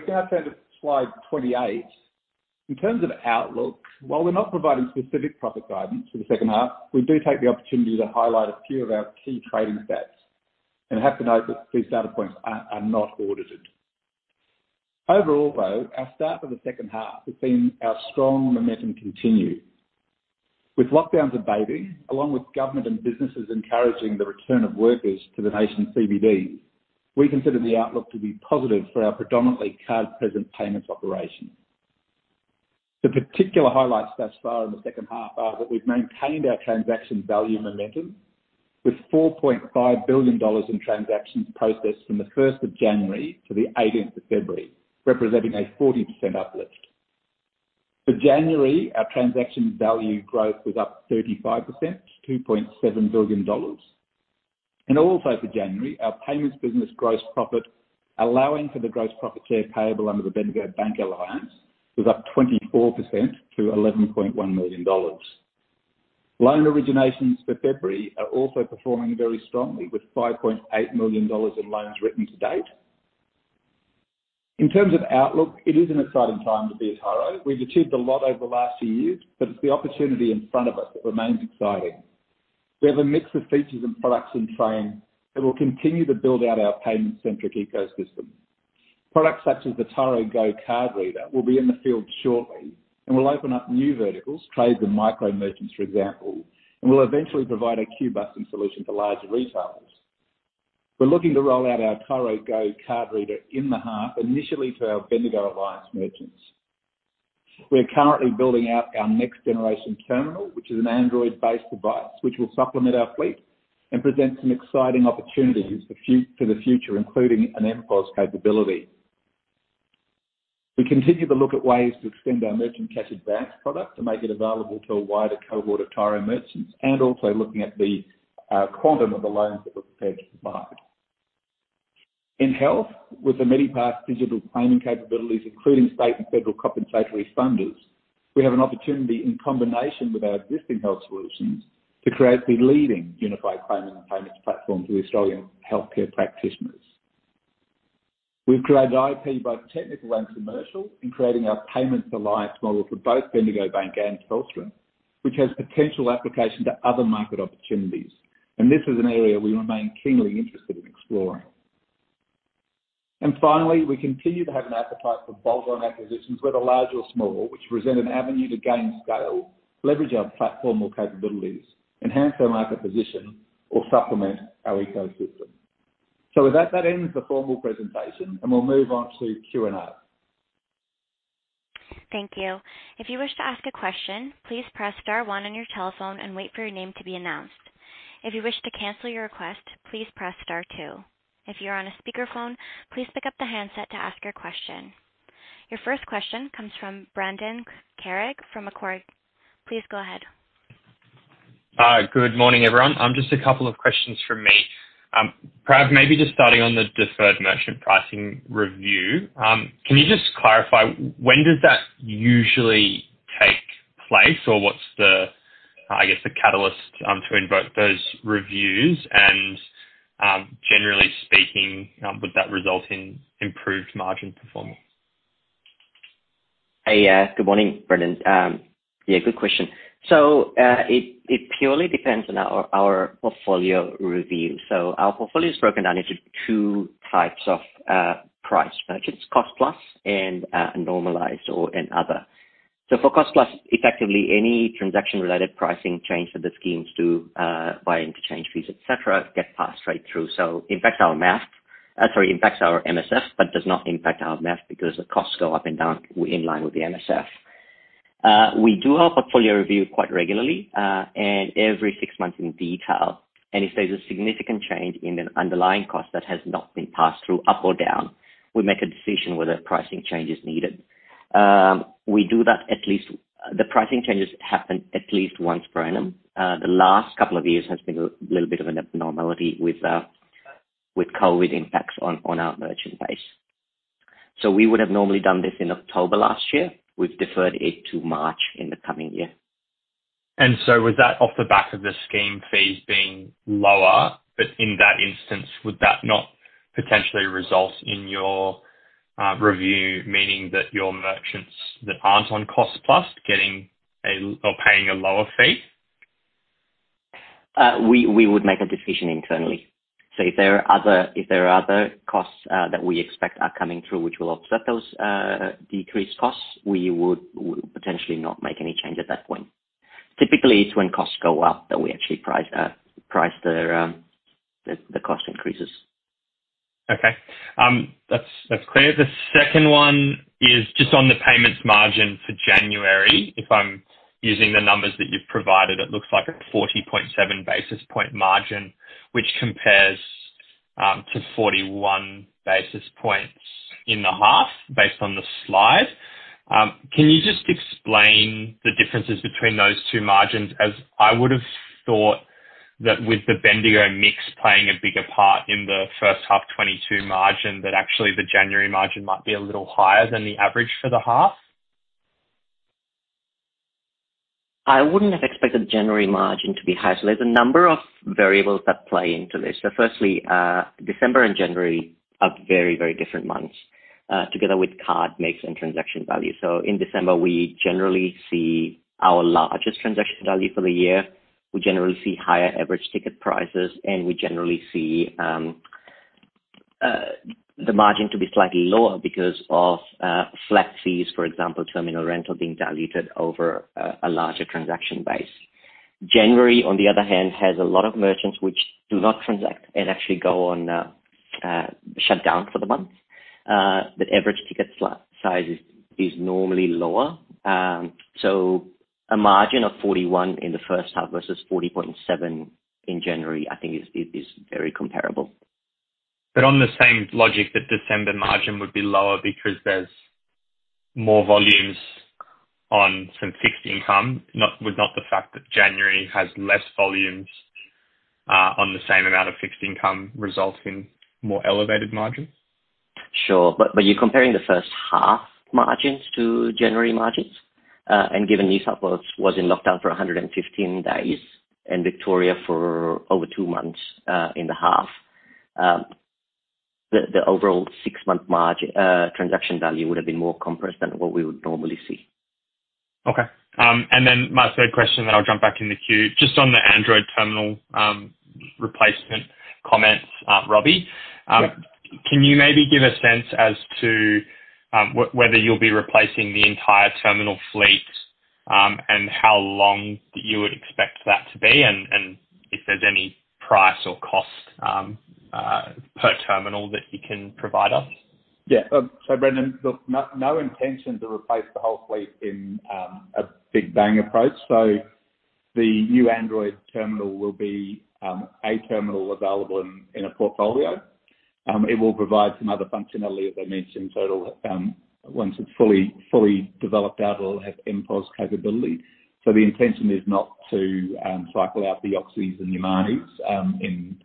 can now turn to slide 28. In terms of outlook, while we're not providing specific profit guidance for the H2, we do take the opportunity to highlight a few of our key trading stats, and have to note that these data points are not audited. Overall, though, our start for the H2 has seen our strong momentum continue. With lockdowns abating, along with government and businesses encouraging the return of workers to the nation's CBD, we consider the outlook to be positive for our predominantly card-present payments operation. The particular highlights thus far in the H2 are that we've maintained our transaction value momentum with 4.5 billion dollars in transactions processed from the first of January to the eighteenth of February, representing a 40% uplift. For January, our transaction value growth was up 35% to 2.7 billion dollars. For January, our payments business gross profit, allowing for the gross profit share payable under the Bendigo Bank alliance, was up 24% to 11.1 million dollars. Loan originations for February are also performing very strongly, with 5.8 million dollars in loans written to date. In terms of outlook, it is an exciting time to be at Tyro. We've achieved a lot over the last two years, but it's the opportunity in front of us that remains exciting. We have a mix of features and products in train that will continue to build out our payment-centric ecosystem. Products such as the Tyro Go card reader will be in the field shortly and will open up new verticals, target the micro-merchants, for example, and will eventually provide a queue-busting solution for larger retailers. We're looking to roll out our Tyro Go card reader in the half, initially to our Bendigo Alliance merchants. We are currently building out our next-generation terminal, which is an Android-based device, which will supplement our fleet and present some exciting opportunities for the future, including an eftpos capability. We continue to look at ways to extend our merchant cash advance product to make it available to a wider cohort of Tyro merchants, and also looking at the quantum of the loans that we're prepared to provide. In health, with the Medipass digital claiming capabilities, including state and federal compensatory funders, we have an opportunity in combination with our existing health solutions to create the leading unified claiming and payments platform for Australian healthcare practitioners. We've created IP, both technical and commercial, in creating our payments alliance model for both Bendigo Bank and Telstra, which has potential application to other market opportunities. This is an area we remain keenly interested in exploring. Finally, we continue to have an appetite for bolt-on acquisitions, whether large or small, which present an avenue to gain scale, leverage our platform or capabilities, enhance our market position, or supplement our ecosystem. With that ends the formal presentation, and we'll move on to Q&A. Your first question comes from Brendan Carrig from Macquarie. Please go ahead. Good morning, everyone. Just a couple of questions from me. Prav, maybe just starting on the deferred merchant pricing review. Can you just clarify when does that usually take place or what's the, I guess, the catalyst to invoke those reviews? Generally speaking, would that result in improved margin performance? Hey, good morning, Brendan. Yeah, good question. It purely depends on our portfolio review. Our portfolio is broken down into two types of priced merchants, Cost Plus and normalized and other. For Cost Plus, effectively any transaction-related pricing change that the schemes do by interchange fees, etc., get passed straight through. It impacts our margin. Sorry, it impacts our MSFs, but does not impact our margin because the costs go up and down in line with the MSF. We do our portfolio review quite regularly and every six months in detail. If there's a significant change in the underlying cost that has not been passed through up or down, we make a decision whether pricing change is needed. We do that at least once per annum. The last couple of years has been a little bit of an abnormality with COVID impacts on our merchant base. We would have normally done this in October last year. We've deferred it to March in the coming year. Was that off the back of the scheme fees being lower, but in that instance, would that not potentially result in your review, meaning that your merchants that aren't on Cost Plus getting or paying a lower fee? We would make a decision internally. If there are other costs that we expect are coming through which will offset those decreased costs, we would potentially not make any change at that point. Typically, it's when costs go up that we actually price the cost increases. Okay. That's clear. The second one is just on the payments margin for January. If I'm using the numbers that you've provided, it looks like a 40.7 basis point margin, which compares to 41 basis points in the half based on the slide. Can you just explain the differences between those two margins, as I would've thought that with the Bendigo mix playing a bigger part in the H1 2022 margin, that actually the January margin might be a little higher than the average for the half? I wouldn't have expected the January margin to be higher. There's a number of variables that play into this. Firstly, December and January are very different months, together with card mix and transaction value. In December, we generally see our largest transaction value for the year. We generally see higher average ticket prices, and we generally see the margin to be slightly lower because of flat fees, for example, terminal rental being diluted over a larger transaction base. January, on the other hand, has a lot of merchants which do not transact and actually go on shut down for the month. The average ticket size is normally lower. A margin of 41% in the H1 versus 40.7% in January, I think is very comparable. On the same logic, the December margin would be lower because there's more volumes on some fixed income. Would not the fact that January has less volumes on the same amount of fixed income result in more elevated margin? Sure. You're comparing the H1 margins to January margins. Given New South Wales was in lockdown for 115 days and Victoria for over two months, in the half, the overall six-month margin transaction value would have been more compressed than what we would normally see. Okay. My third question, then I'll jump back in the queue. Just on the Android terminal, replacement comments, Robbie. Yeah. Can you maybe give a sense as to whether you'll be replacing the entire terminal fleet, and how long you would expect that to be and if there's any price or cost per terminal that you can provide us? Yeah. Brendan, look, no intention to replace the whole fleet in a big bang approach. The new Android terminal will be a terminal available in a portfolio. It will provide some other functionality, as I mentioned. Once it's fully developed out, it'll have MPOS capability. The intention is not to cycle out the Oxys and Yomanis in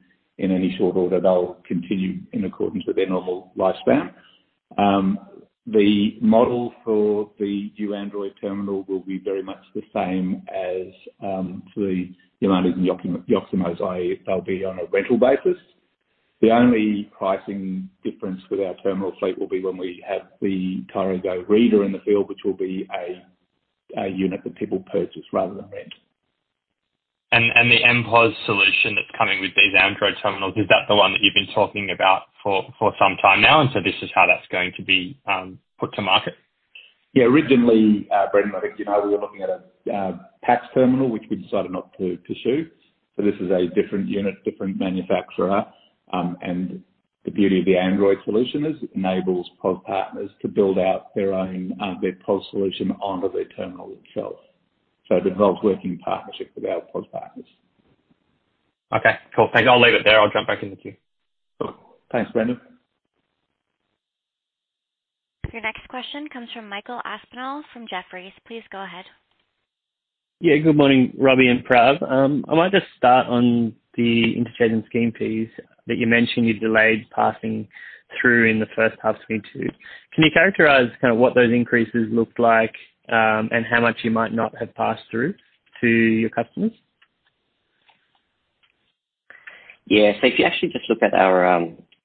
any short order. They'll continue in accordance with their normal lifespan. The model for the new Android terminal will be very much the same as the eftpos and Yomani's. They'll be on a rental basis. The only pricing difference with our terminal fleet will be when we have the Tyro Go reader in the field, which will be a unit that people purchase rather than rent. The MPOS solution that's coming with these Android terminals, is that the one that you've been talking about for some time now, and so this is how that's going to be put to market? Yeah. Originally, Brendan, I think you know we were looking at a PAX terminal, which we decided not to pursue. This is a different unit, different manufacturer, and the beauty of the Android solution is it enables POS partners to build out their own their POS solution onto their terminal itself. It involves working in partnership with our POS partners. Okay, cool. Thanks. I'll leave it there. I'll jump back in the queue. Cool. Thanks, Brendan. Your next question comes from Michael Aspinall from Jefferies. Please go ahead. Good morning, Robbie and Prav. I might just start on the interchange and scheme fees that you mentioned you delayed passing through in the H1 2022. Can you characterize kind of what those increases looked like, and how much you might not have passed through to your customers? Yeah. If you actually just look at our,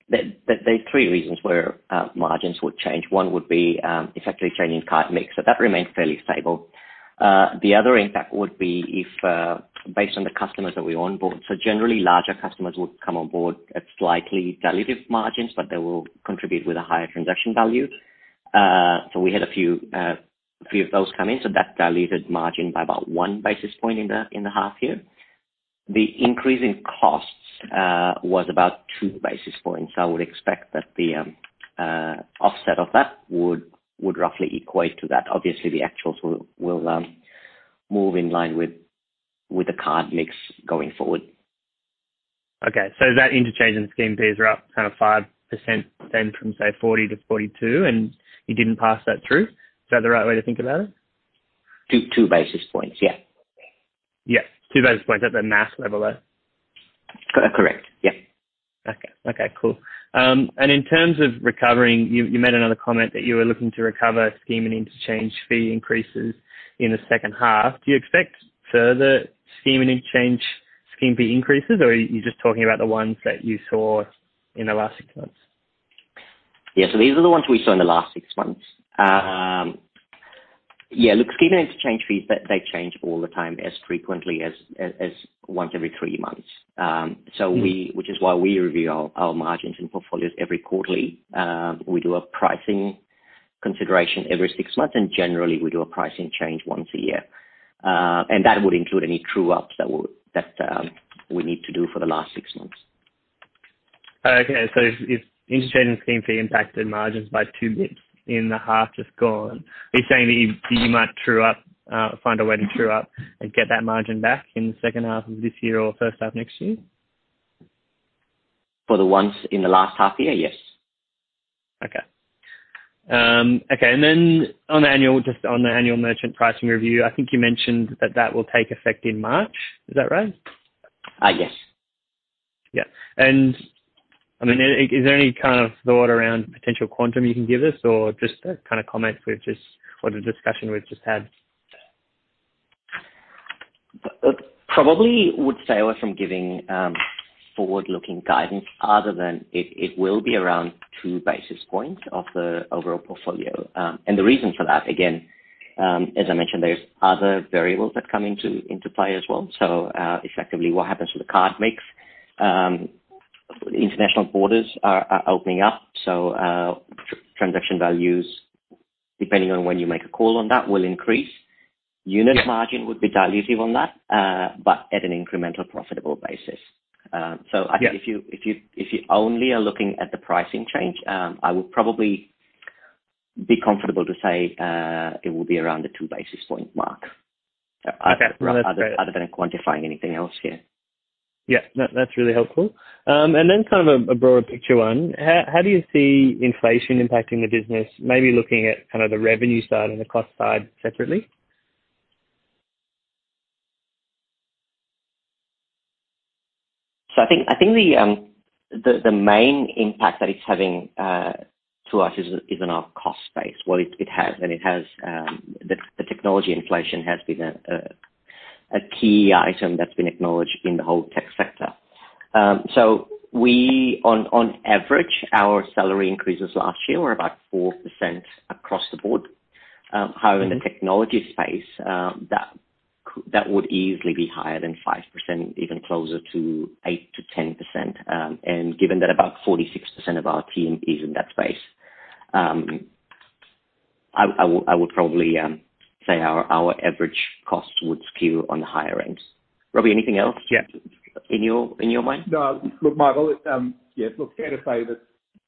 there are three reasons where margins would change. One would be if actually changing card mix, so that remains fairly stable. The other impact would be if based on the customers that we onboard. Generally, larger customers would come on board at slightly dilutive margins, but they will contribute with a higher transaction value. We had a few of those come in, so that diluted margin by about one basis point in the half year. The increase in costs was about two basis points. I would expect that the offset of that would roughly equate to that. Obviously, the actuals will move in line with the card mix going forward. Okay. That interchange and scheme fees are up kind of 5% then from, say, 40-42, and you didn't pass that through. Is that the right way to think about it? 2.2-basis points. Yeah. Yeah. 2-basis points. That's a math leveler. Correct. Yeah. Okay. Okay, cool. In terms of recovering, you made another comment that you were looking to recover scheme and interchange fee increases in the H2. Do you expect further scheme and interchange fee increases, or you're just talking about the ones that you saw in the last six months? Yeah. These are the ones we saw in the last six months. Yeah. Look, scheme and interchange fees, they change all the time, as frequently as once every three months. We- Mm-hmm. Which is why we review our margins and portfolios every quarter. We do a pricing consideration every six months, and generally, we do a pricing change once a year. That would include any true-ups that we need to do for the last six months. Okay. If interchange and scheme fee impacted margins by 2 basis points in the half just gone, are you saying that you might find a way to true up and get that margin back in the H2 of this year or H1 next year? For the ones in the last half year? Yes. Okay. Okay. On the annual, just on the annual merchant pricing review, I think you mentioned that will take effect in March. Is that right? Yes. Yeah. I mean, is there any kind of thought around potential quantum you can give us or just a kind of comment with just what a discussion we've just had? Probably would stay away from giving forward-looking guidance other than it will be around two basis points of the overall portfolio. The reason for that, again, as I mentioned, there's other variables that come into play as well. Effectively what happens to the card mix. International borders are opening up, so transaction values, depending on when you make a call on that, will increase. Yeah. Unit margin would be dilutive on that, but at an incremental profitable basis. I think- Yeah. If you only are looking at the pricing change, I would probably be comfortable to say it will be around the 2-basis points mark. Okay. Other than quantifying anything else, yeah. Yeah. That, that's really helpful. Kind of a broader picture one. How do you see inflation impacting the business? Maybe looking at kind of the revenue side and the cost side separately. I think the main impact that it's having to us is in our cost base. Well, it has and it has the technology inflation has been a key item that's been acknowledged in the whole tech sector. We, on average, our salary increases last year were about 4% across the board. However- Mm-hmm. The technology space that would easily be higher than 5%, even closer to 8%-10%. Given that about 46% of our team is in that space, I would probably say our average cost would skew on the higher end. Robbie, anything else? Yeah. In your mind? No. Look, Michael, yeah, look, fair to say that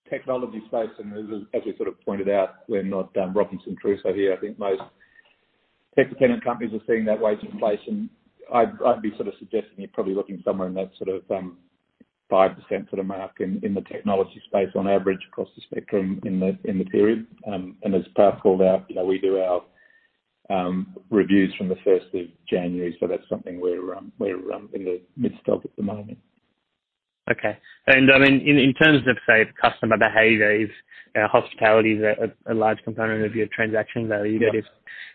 technology space and as we sort of pointed out, we're not Robinson Crusoe here. I think most tech dependent companies are seeing that wage inflation. I'd be sort of suggesting you're probably looking somewhere in that sort of 5% sort of mark in the technology space on average across the spectrum in the period. And as Prav called out, you know, we do our reviews from the first of January. So that's something we're in the midst of at the moment. Okay. I mean, in terms of, say, customer behaviors, hospitality is a large component of your transaction value. Yes.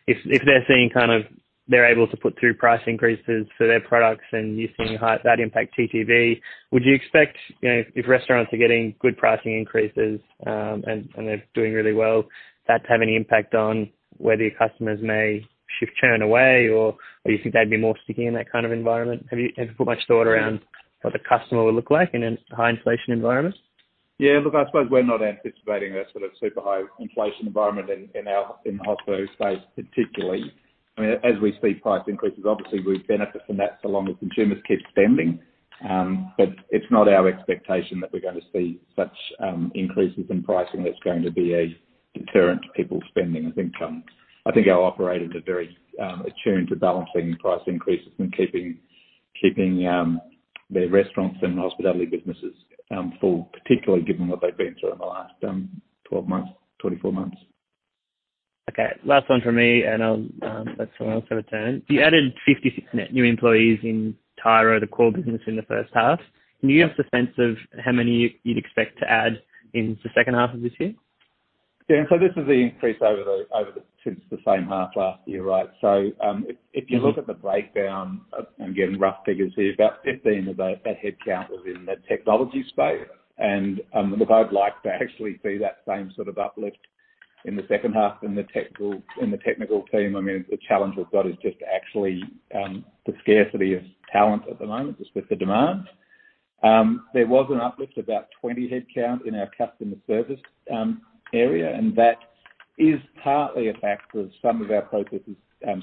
If they're seeing kind of they're able to put through price increases for their products and you're seeing high that impact TTV, would you expect, you know, if restaurants are getting good pricing increases, and they're doing really well, that to have any impact on whether your customers may shift churn away or you think they'd be more sticky in that kind of environment? Have you put much thought around what the customer would look like in a high inflation environment? Yeah, look, I suppose we're not anticipating a sort of super high inflation environment in our hospo space, particularly. I mean, as we see price increases, obviously we benefit from that so long as consumers keep spending. But it's not our expectation that we're going to see such increases in pricing that's going to be a deterrent to people spending as income. I think our operators are very attuned to balancing price increases and keeping their restaurants and hospitality businesses full, particularly given what they've been through in the last 12 months, 24 months. Okay. Last one from me, and I'll let someone else have a turn. You added 56 net new employees in Tyro, the core business, in the H1. Can you give us a sense of how many you'd expect to add in the H2 of this year? This is the increase over the same half last year, right? If you look at the breakdown, I'm getting rough figures here, about 15 of those that headcount was in the technology space. Look, I'd like to actually see that same sort of uplift in the H2 in the technical team. I mean, the challenge we've got is just actually the scarcity of talent at the moment just with the demand. There was an uplift of about 20 headcount in our customer service area, and that is partly a factor of some of our processes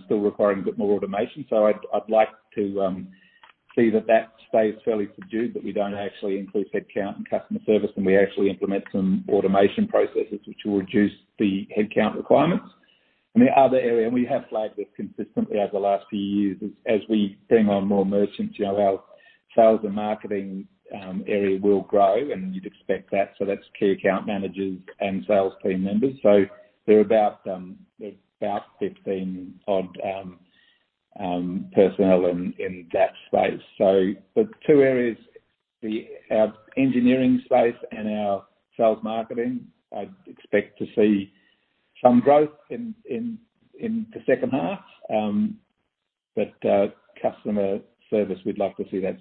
still requiring a bit more automation. I'd like to see that stays fairly subdued, but we don't actually include headcount in customer service, and we actually implement some automation processes which will reduce the headcount requirements. The other area, and we have flagged this consistently over the last few years, is as we bring on more merchants, you know, our sales and marketing area will grow and you'd expect that. That's key account managers and sales team members. There are about 15-odd personnel in that space. The two areas, our engineering space and our sales marketing, I'd expect to see some growth in the H2. Customer service, we'd love to see that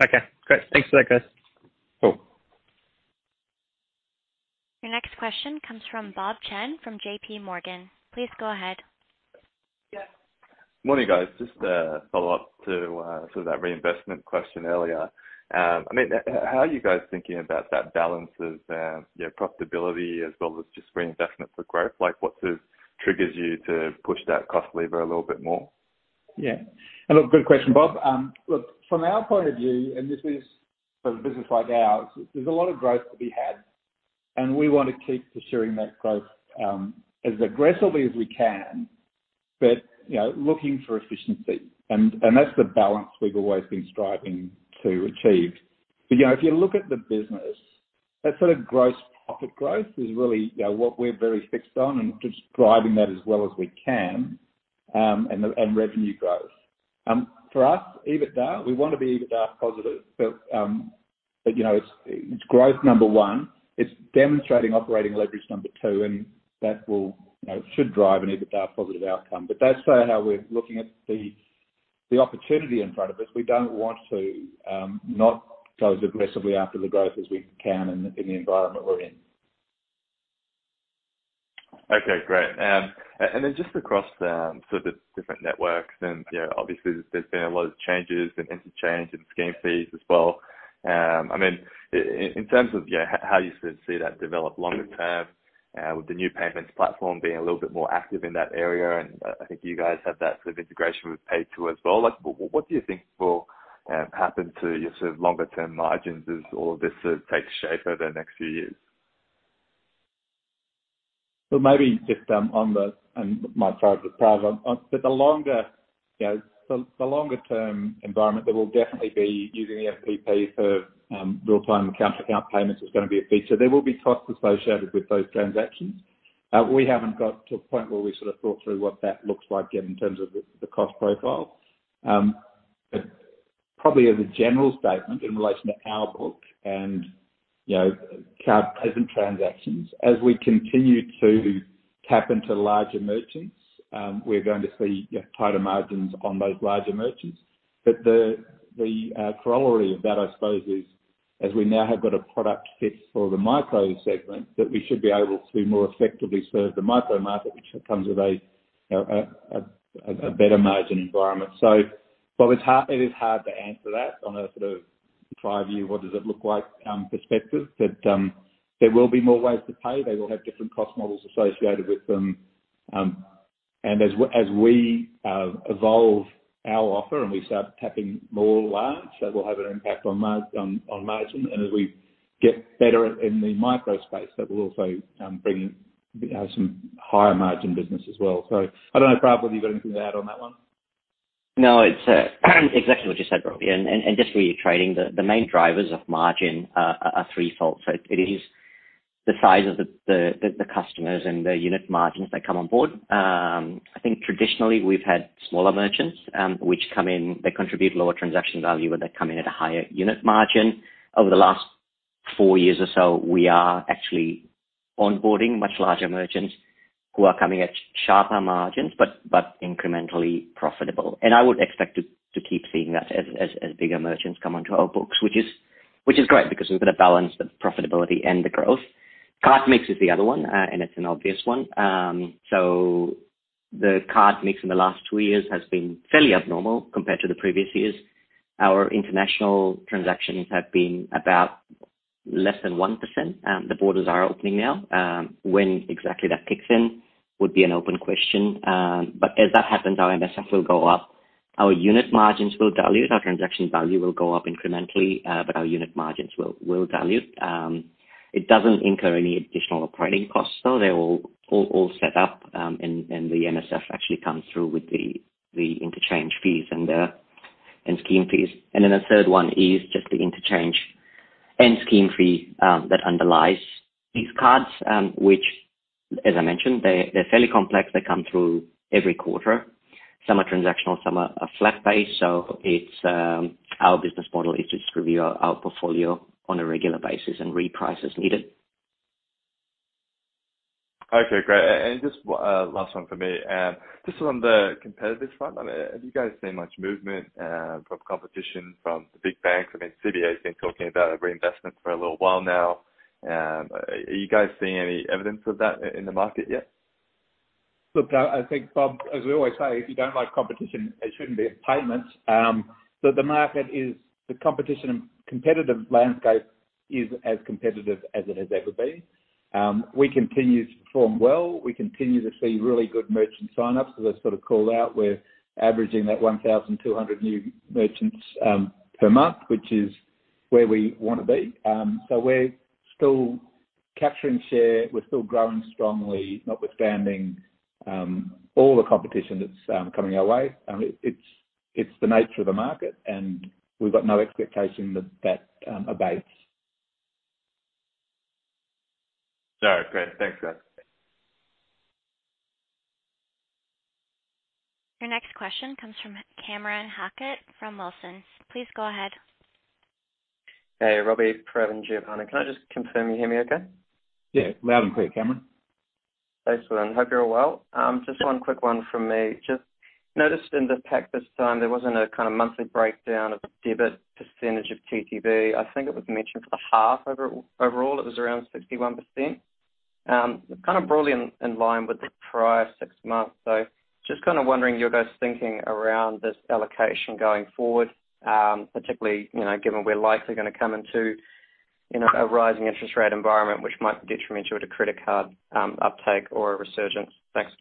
sort of suppressed now. Okay, great. Thanks for that, Chris. Cool. Your next question comes from Bob Chen from J.P. Morgan. Please go ahead. Yeah. Morning, guys. Just a follow-up to sort of that reinvestment question earlier. I mean, how are you guys thinking about that balance of you know, profitability as well as just reinvestment for growth? Like, what sort of triggers you to push that cost lever a little bit more? Yeah. Look, good question, Bob. Look, from our point of view, and this is for a business like ours, there's a lot of growth to be had, and we want to keep pursuing that growth as aggressively as we can, but you know, looking for efficiency, and that's the balance we've always been striving to achieve. You know, if you look at the business, that sort of gross profit growth is really you know, what we're very focused on and just driving that as well as we can, and revenue growth. For us, EBITDA, we want to be EBITDA positive, but you know, it's growth, number one. It's demonstrating operating leverage, number two, and that will you know, should drive an EBITDA positive outcome. That's sort of how we're looking at the opportunity in front of us. We don't want to not go as aggressively after the growth as we can in the environment we're in. Okay, great. Just across the sort of different networks and, you know, obviously there's been a lot of changes in interchange and scheme fees as well. I mean, in terms of, you know, how you sort of see that develop longer term, with the New Payments Platform being a little bit more active in that area, and I think you guys have that sort of integration with PayTo as well. Like, what do you think will happen to your sort of longer term margins as all of this sort of takes shape over the next few years? The longer term environment that we'll definitely be using the NPP for real-time account to account payments is going to be a feature. There will be costs associated with those transactions. We haven't got to a point where we sort of thought through what that looks like yet in terms of the cost profile. Probably as a general statement in relation to our book and, you know, card present transactions, as we continue to tap into larger merchants, we're going to see tighter margins on those larger merchants. The corollary of that, I suppose, is as we now have got a product fit for the micro segment, that we should be able to more effectively serve the micro market, which comes with a better margin environment. While it is hard to answer that on a sort of five-year what does it look like perspective. There will be more ways to pay. They will have different cost models associated with them. As we evolve our offer and we start tapping more large, that will have an impact on margin. As we get better in the micro space, that will also bring some higher margin business as well. I don't know, Prav, whether you've got anything to add on that one? No, it's exactly what you said, Robbie. Just where you're trading, the main drivers of margin are threefold. It is the size of the customers and the unit margins that come on board. I think traditionally we've had smaller merchants, which come in, they contribute lower transaction value, and they come in at a higher unit margin. Over the last four years or so, we are actually onboarding much larger merchants who are coming at sharper margins, but incrementally profitable. I would expect to keep seeing that as bigger merchants come onto our books, which is great because we've got to balance the profitability and the growth. Card mix is the other one, and it's an obvious one. The card mix in the last two years has been fairly abnormal compared to the previous years. Our international transactions have been about less than 1%. The borders are opening now. When exactly that kicks in would be an open question. As that happens, our MSF will go up, our unit margins will dilute, our transaction value will go up incrementally, but our unit margins will dilute. It doesn't incur any additional operating costs, though. They're all set up. The MSF actually comes through with the interchange fees and scheme fees. Then the third one is just the interchange and scheme fee that underlies these cards, which as I mentioned, they're fairly complex. They come through every quarter. Some are transactional, some are flat base. It's our business model is just review our portfolio on a regular basis and reprice as needed. Okay, great. Just last one for me. Just on the competitive front, I mean, have you guys seen much movement from competition from the big banks? I mean, CBA has been talking about a reinvestment for a little while now. Are you guys seeing any evidence of that in the market yet? Look, I think, Bob, as we always say, if you don't like competition, it shouldn't be in payments. The competition and competitive landscape is as competitive as it has ever been. We continue to perform well. We continue to see really good merchant signups. As I sort of called out, we're averaging 1,200 new merchants per month, which is where we want to be. We're still capturing share. We're still growing strongly, notwithstanding all the competition that's coming our way. It's the nature of the market, and we've got no expectation that abates. All right. Great. Thanks, guys. Your next question comes from Cameron Hockett from Wilsons. Please go ahead. Hey, Robbie, Prav and Giovanni. Can I just confirm you hear me okay? Yeah. Loud and clear, Cameron. Thanks. Well, hope you're all well. Just one quick one from me. Just noticed in the pack this time, there wasn't a kind of monthly breakdown of debit percentage of TTV. I think it was mentioned for the half overall, it was around 61%. It's kind of broadly in line with the prior six months. Just kind of wondering your guys' thinking around this allocation going forward, particularly, you know, given we're likely going to come into, you know, a rising interest rate environment, which might be detrimental to credit card uptake or a resurgence. Thanks.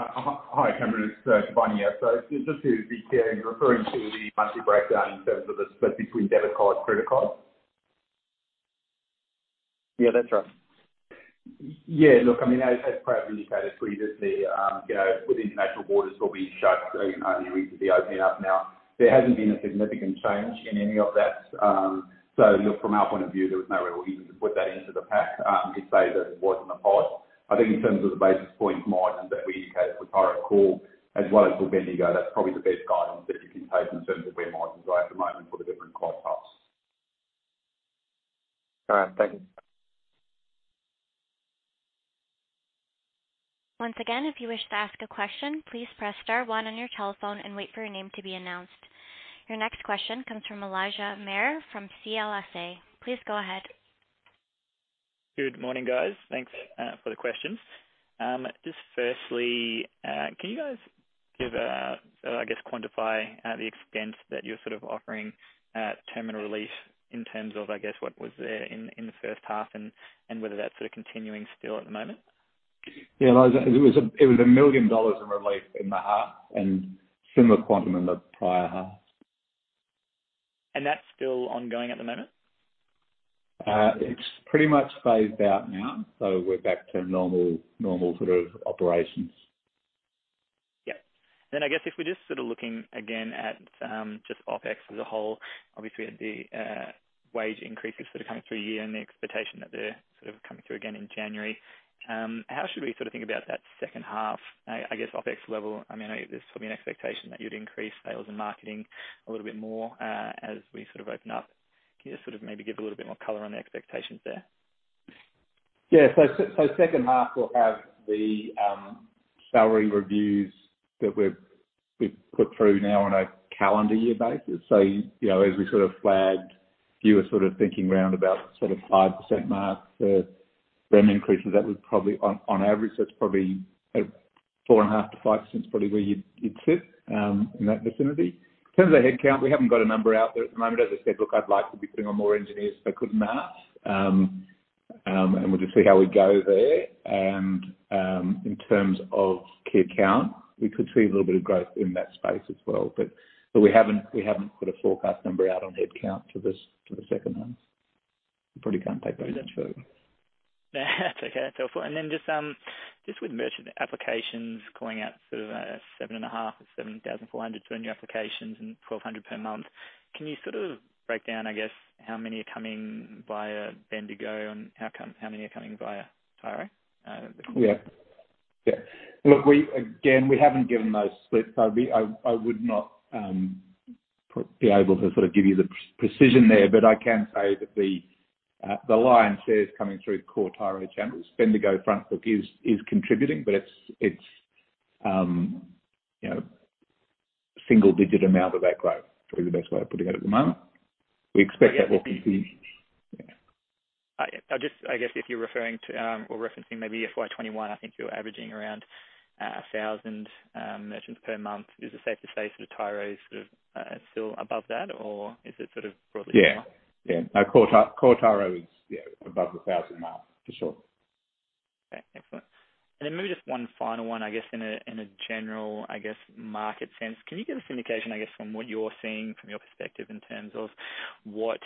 Hi, Cameron. It's Giovanni here. Just to be clear, you're referring to the monthly breakdown in terms of the split between debit card, credit card? Yeah, that's right. Yeah. Look, I mean, as Prav indicated previously, you know, with international borders still being shut, you know, only recently opening up now, there hasn't been a significant change in any of that. So look, from our point of view, there was no real reason to put that into the pack. It stayed as it was in the past. I think in terms of the basis point margins that we indicated with our call, as well as with Bendigo, that's probably the best guidance that you can take in terms of where margins are at the moment for the different card types. All right. Thank you. Once again, if you wish to ask a question, please press star one on your telephone and wait for your name to be announced. Your next question comes from Elijah Mayer from CLSA. Please go ahead. Good morning, guys. Thanks for the questions. Just firstly, can you guys quantify the extent that you're sort of offering terminal relief in terms of what was there in the H1 and whether that's sort of continuing still at the moment? Yeah. Elijah, it was 1 million dollars in relief in the half and similar quantum in the prior half. That's still ongoing at the moment? It's pretty much phased out now. We're back to normal sort of operations. Yeah. I guess if we're just sort of looking again at just OpEx as a whole, obviously the wage increases sort of coming through a year and the expectation that they're sort of coming through again in January, how should we sort of think about that H2, I guess OpEx level? I mean, I know there's probably an expectation that you'd increase sales and marketing a little bit more as we sort of open up. Can you sort of maybe give a little bit more color on the expectations there? Yeah. H2 we'll have the salary reviews that we've put through now on a calendar year basis. You know, as we sort of flagged, you were sort of thinking around about sort of 5% mark for REM increases. That was probably on average, that's probably 4.5%-5% is probably where you'd sit in that vicinity. In terms of headcount, we haven't got a number out there at the moment. As I said, look, I'd like to be putting on more engineers if I could, mate. We'll just see how we go there. In terms of key account, we could see a little bit of growth in that space as well. We haven't put a forecast number out on headcount to the H2. you probably can't pay very much for them. That's okay. That's helpful. Then just with merchant applications calling out sort of 7.5 or 7,400 brand-new applications and 1,200 per month, can you sort of break down, I guess, how many are coming via Bendigo and how many are coming via Tyro? The Yeah. Look, again, we haven't given those splits. I would not be able to sort of give you the precision there. I can say that the lion's share is coming through core Tyro channels. Bendigo Front Book is contributing, but it's you know, single-digit amount of that growth. Probably the best way of putting it at the moment. We expect that will continue. Yeah. I guess if you're referring to or referencing maybe FY 2021, I think you're averaging around 1,000 merchants per month. Is it safe to say sort of Tyro is sort of still above that? Or is it sort of broadly similar? Yeah. Yeah. No, core Tyro is, yeah, above 1,000 mark, for sure. Okay. Excellent. Then maybe just one final one, I guess, in a general, I guess, market sense. Can you give us an indication, I guess, from what you're seeing from your perspective in terms of what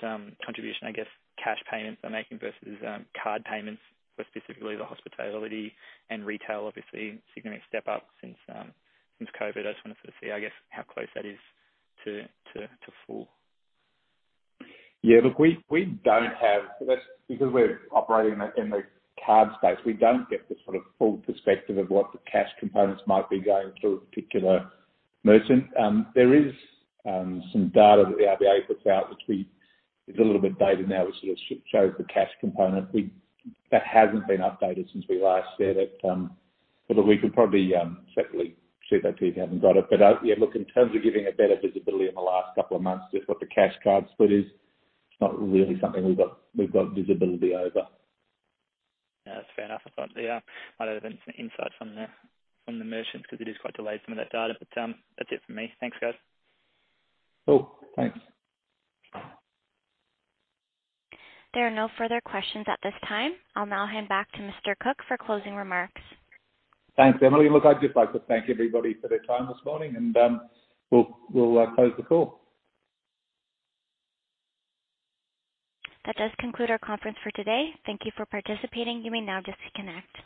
contribution, I guess, cash payments are making versus card payments for specifically the hospitality and retail, obviously, significant step up since COVID? I just want to sort of see, I guess, how close that is to full. Yeah. Look, we don't have that because we're operating in the card space. We don't get the sort of full perspective of what the cash components might be going to a particular merchant. There is some data that the RBA puts out. It's a little bit dated now. We sort of show the cash component. That hasn't been updated since we last said it. Look, we could probably certainly shoot that to you if you haven't got it. Yeah, look, in terms of giving a better visibility in the last couple of months, just what the cash card split is, it's not really something we've got visibility over. Yeah, that's fair enough. I thought there might have been some insight from the merchants because it is quite delayed some of that data. But, that's it from me. Thanks, guys. Cool. Thanks. There are no further questions at this time. I'll now hand back to Mr. Cooke for closing remarks. Thanks, Emily. Look, I'd just like to thank everybody for their time this morning, and, we'll close the call. That does conclude our conference for today. Thank you for participating. You may now disconnect.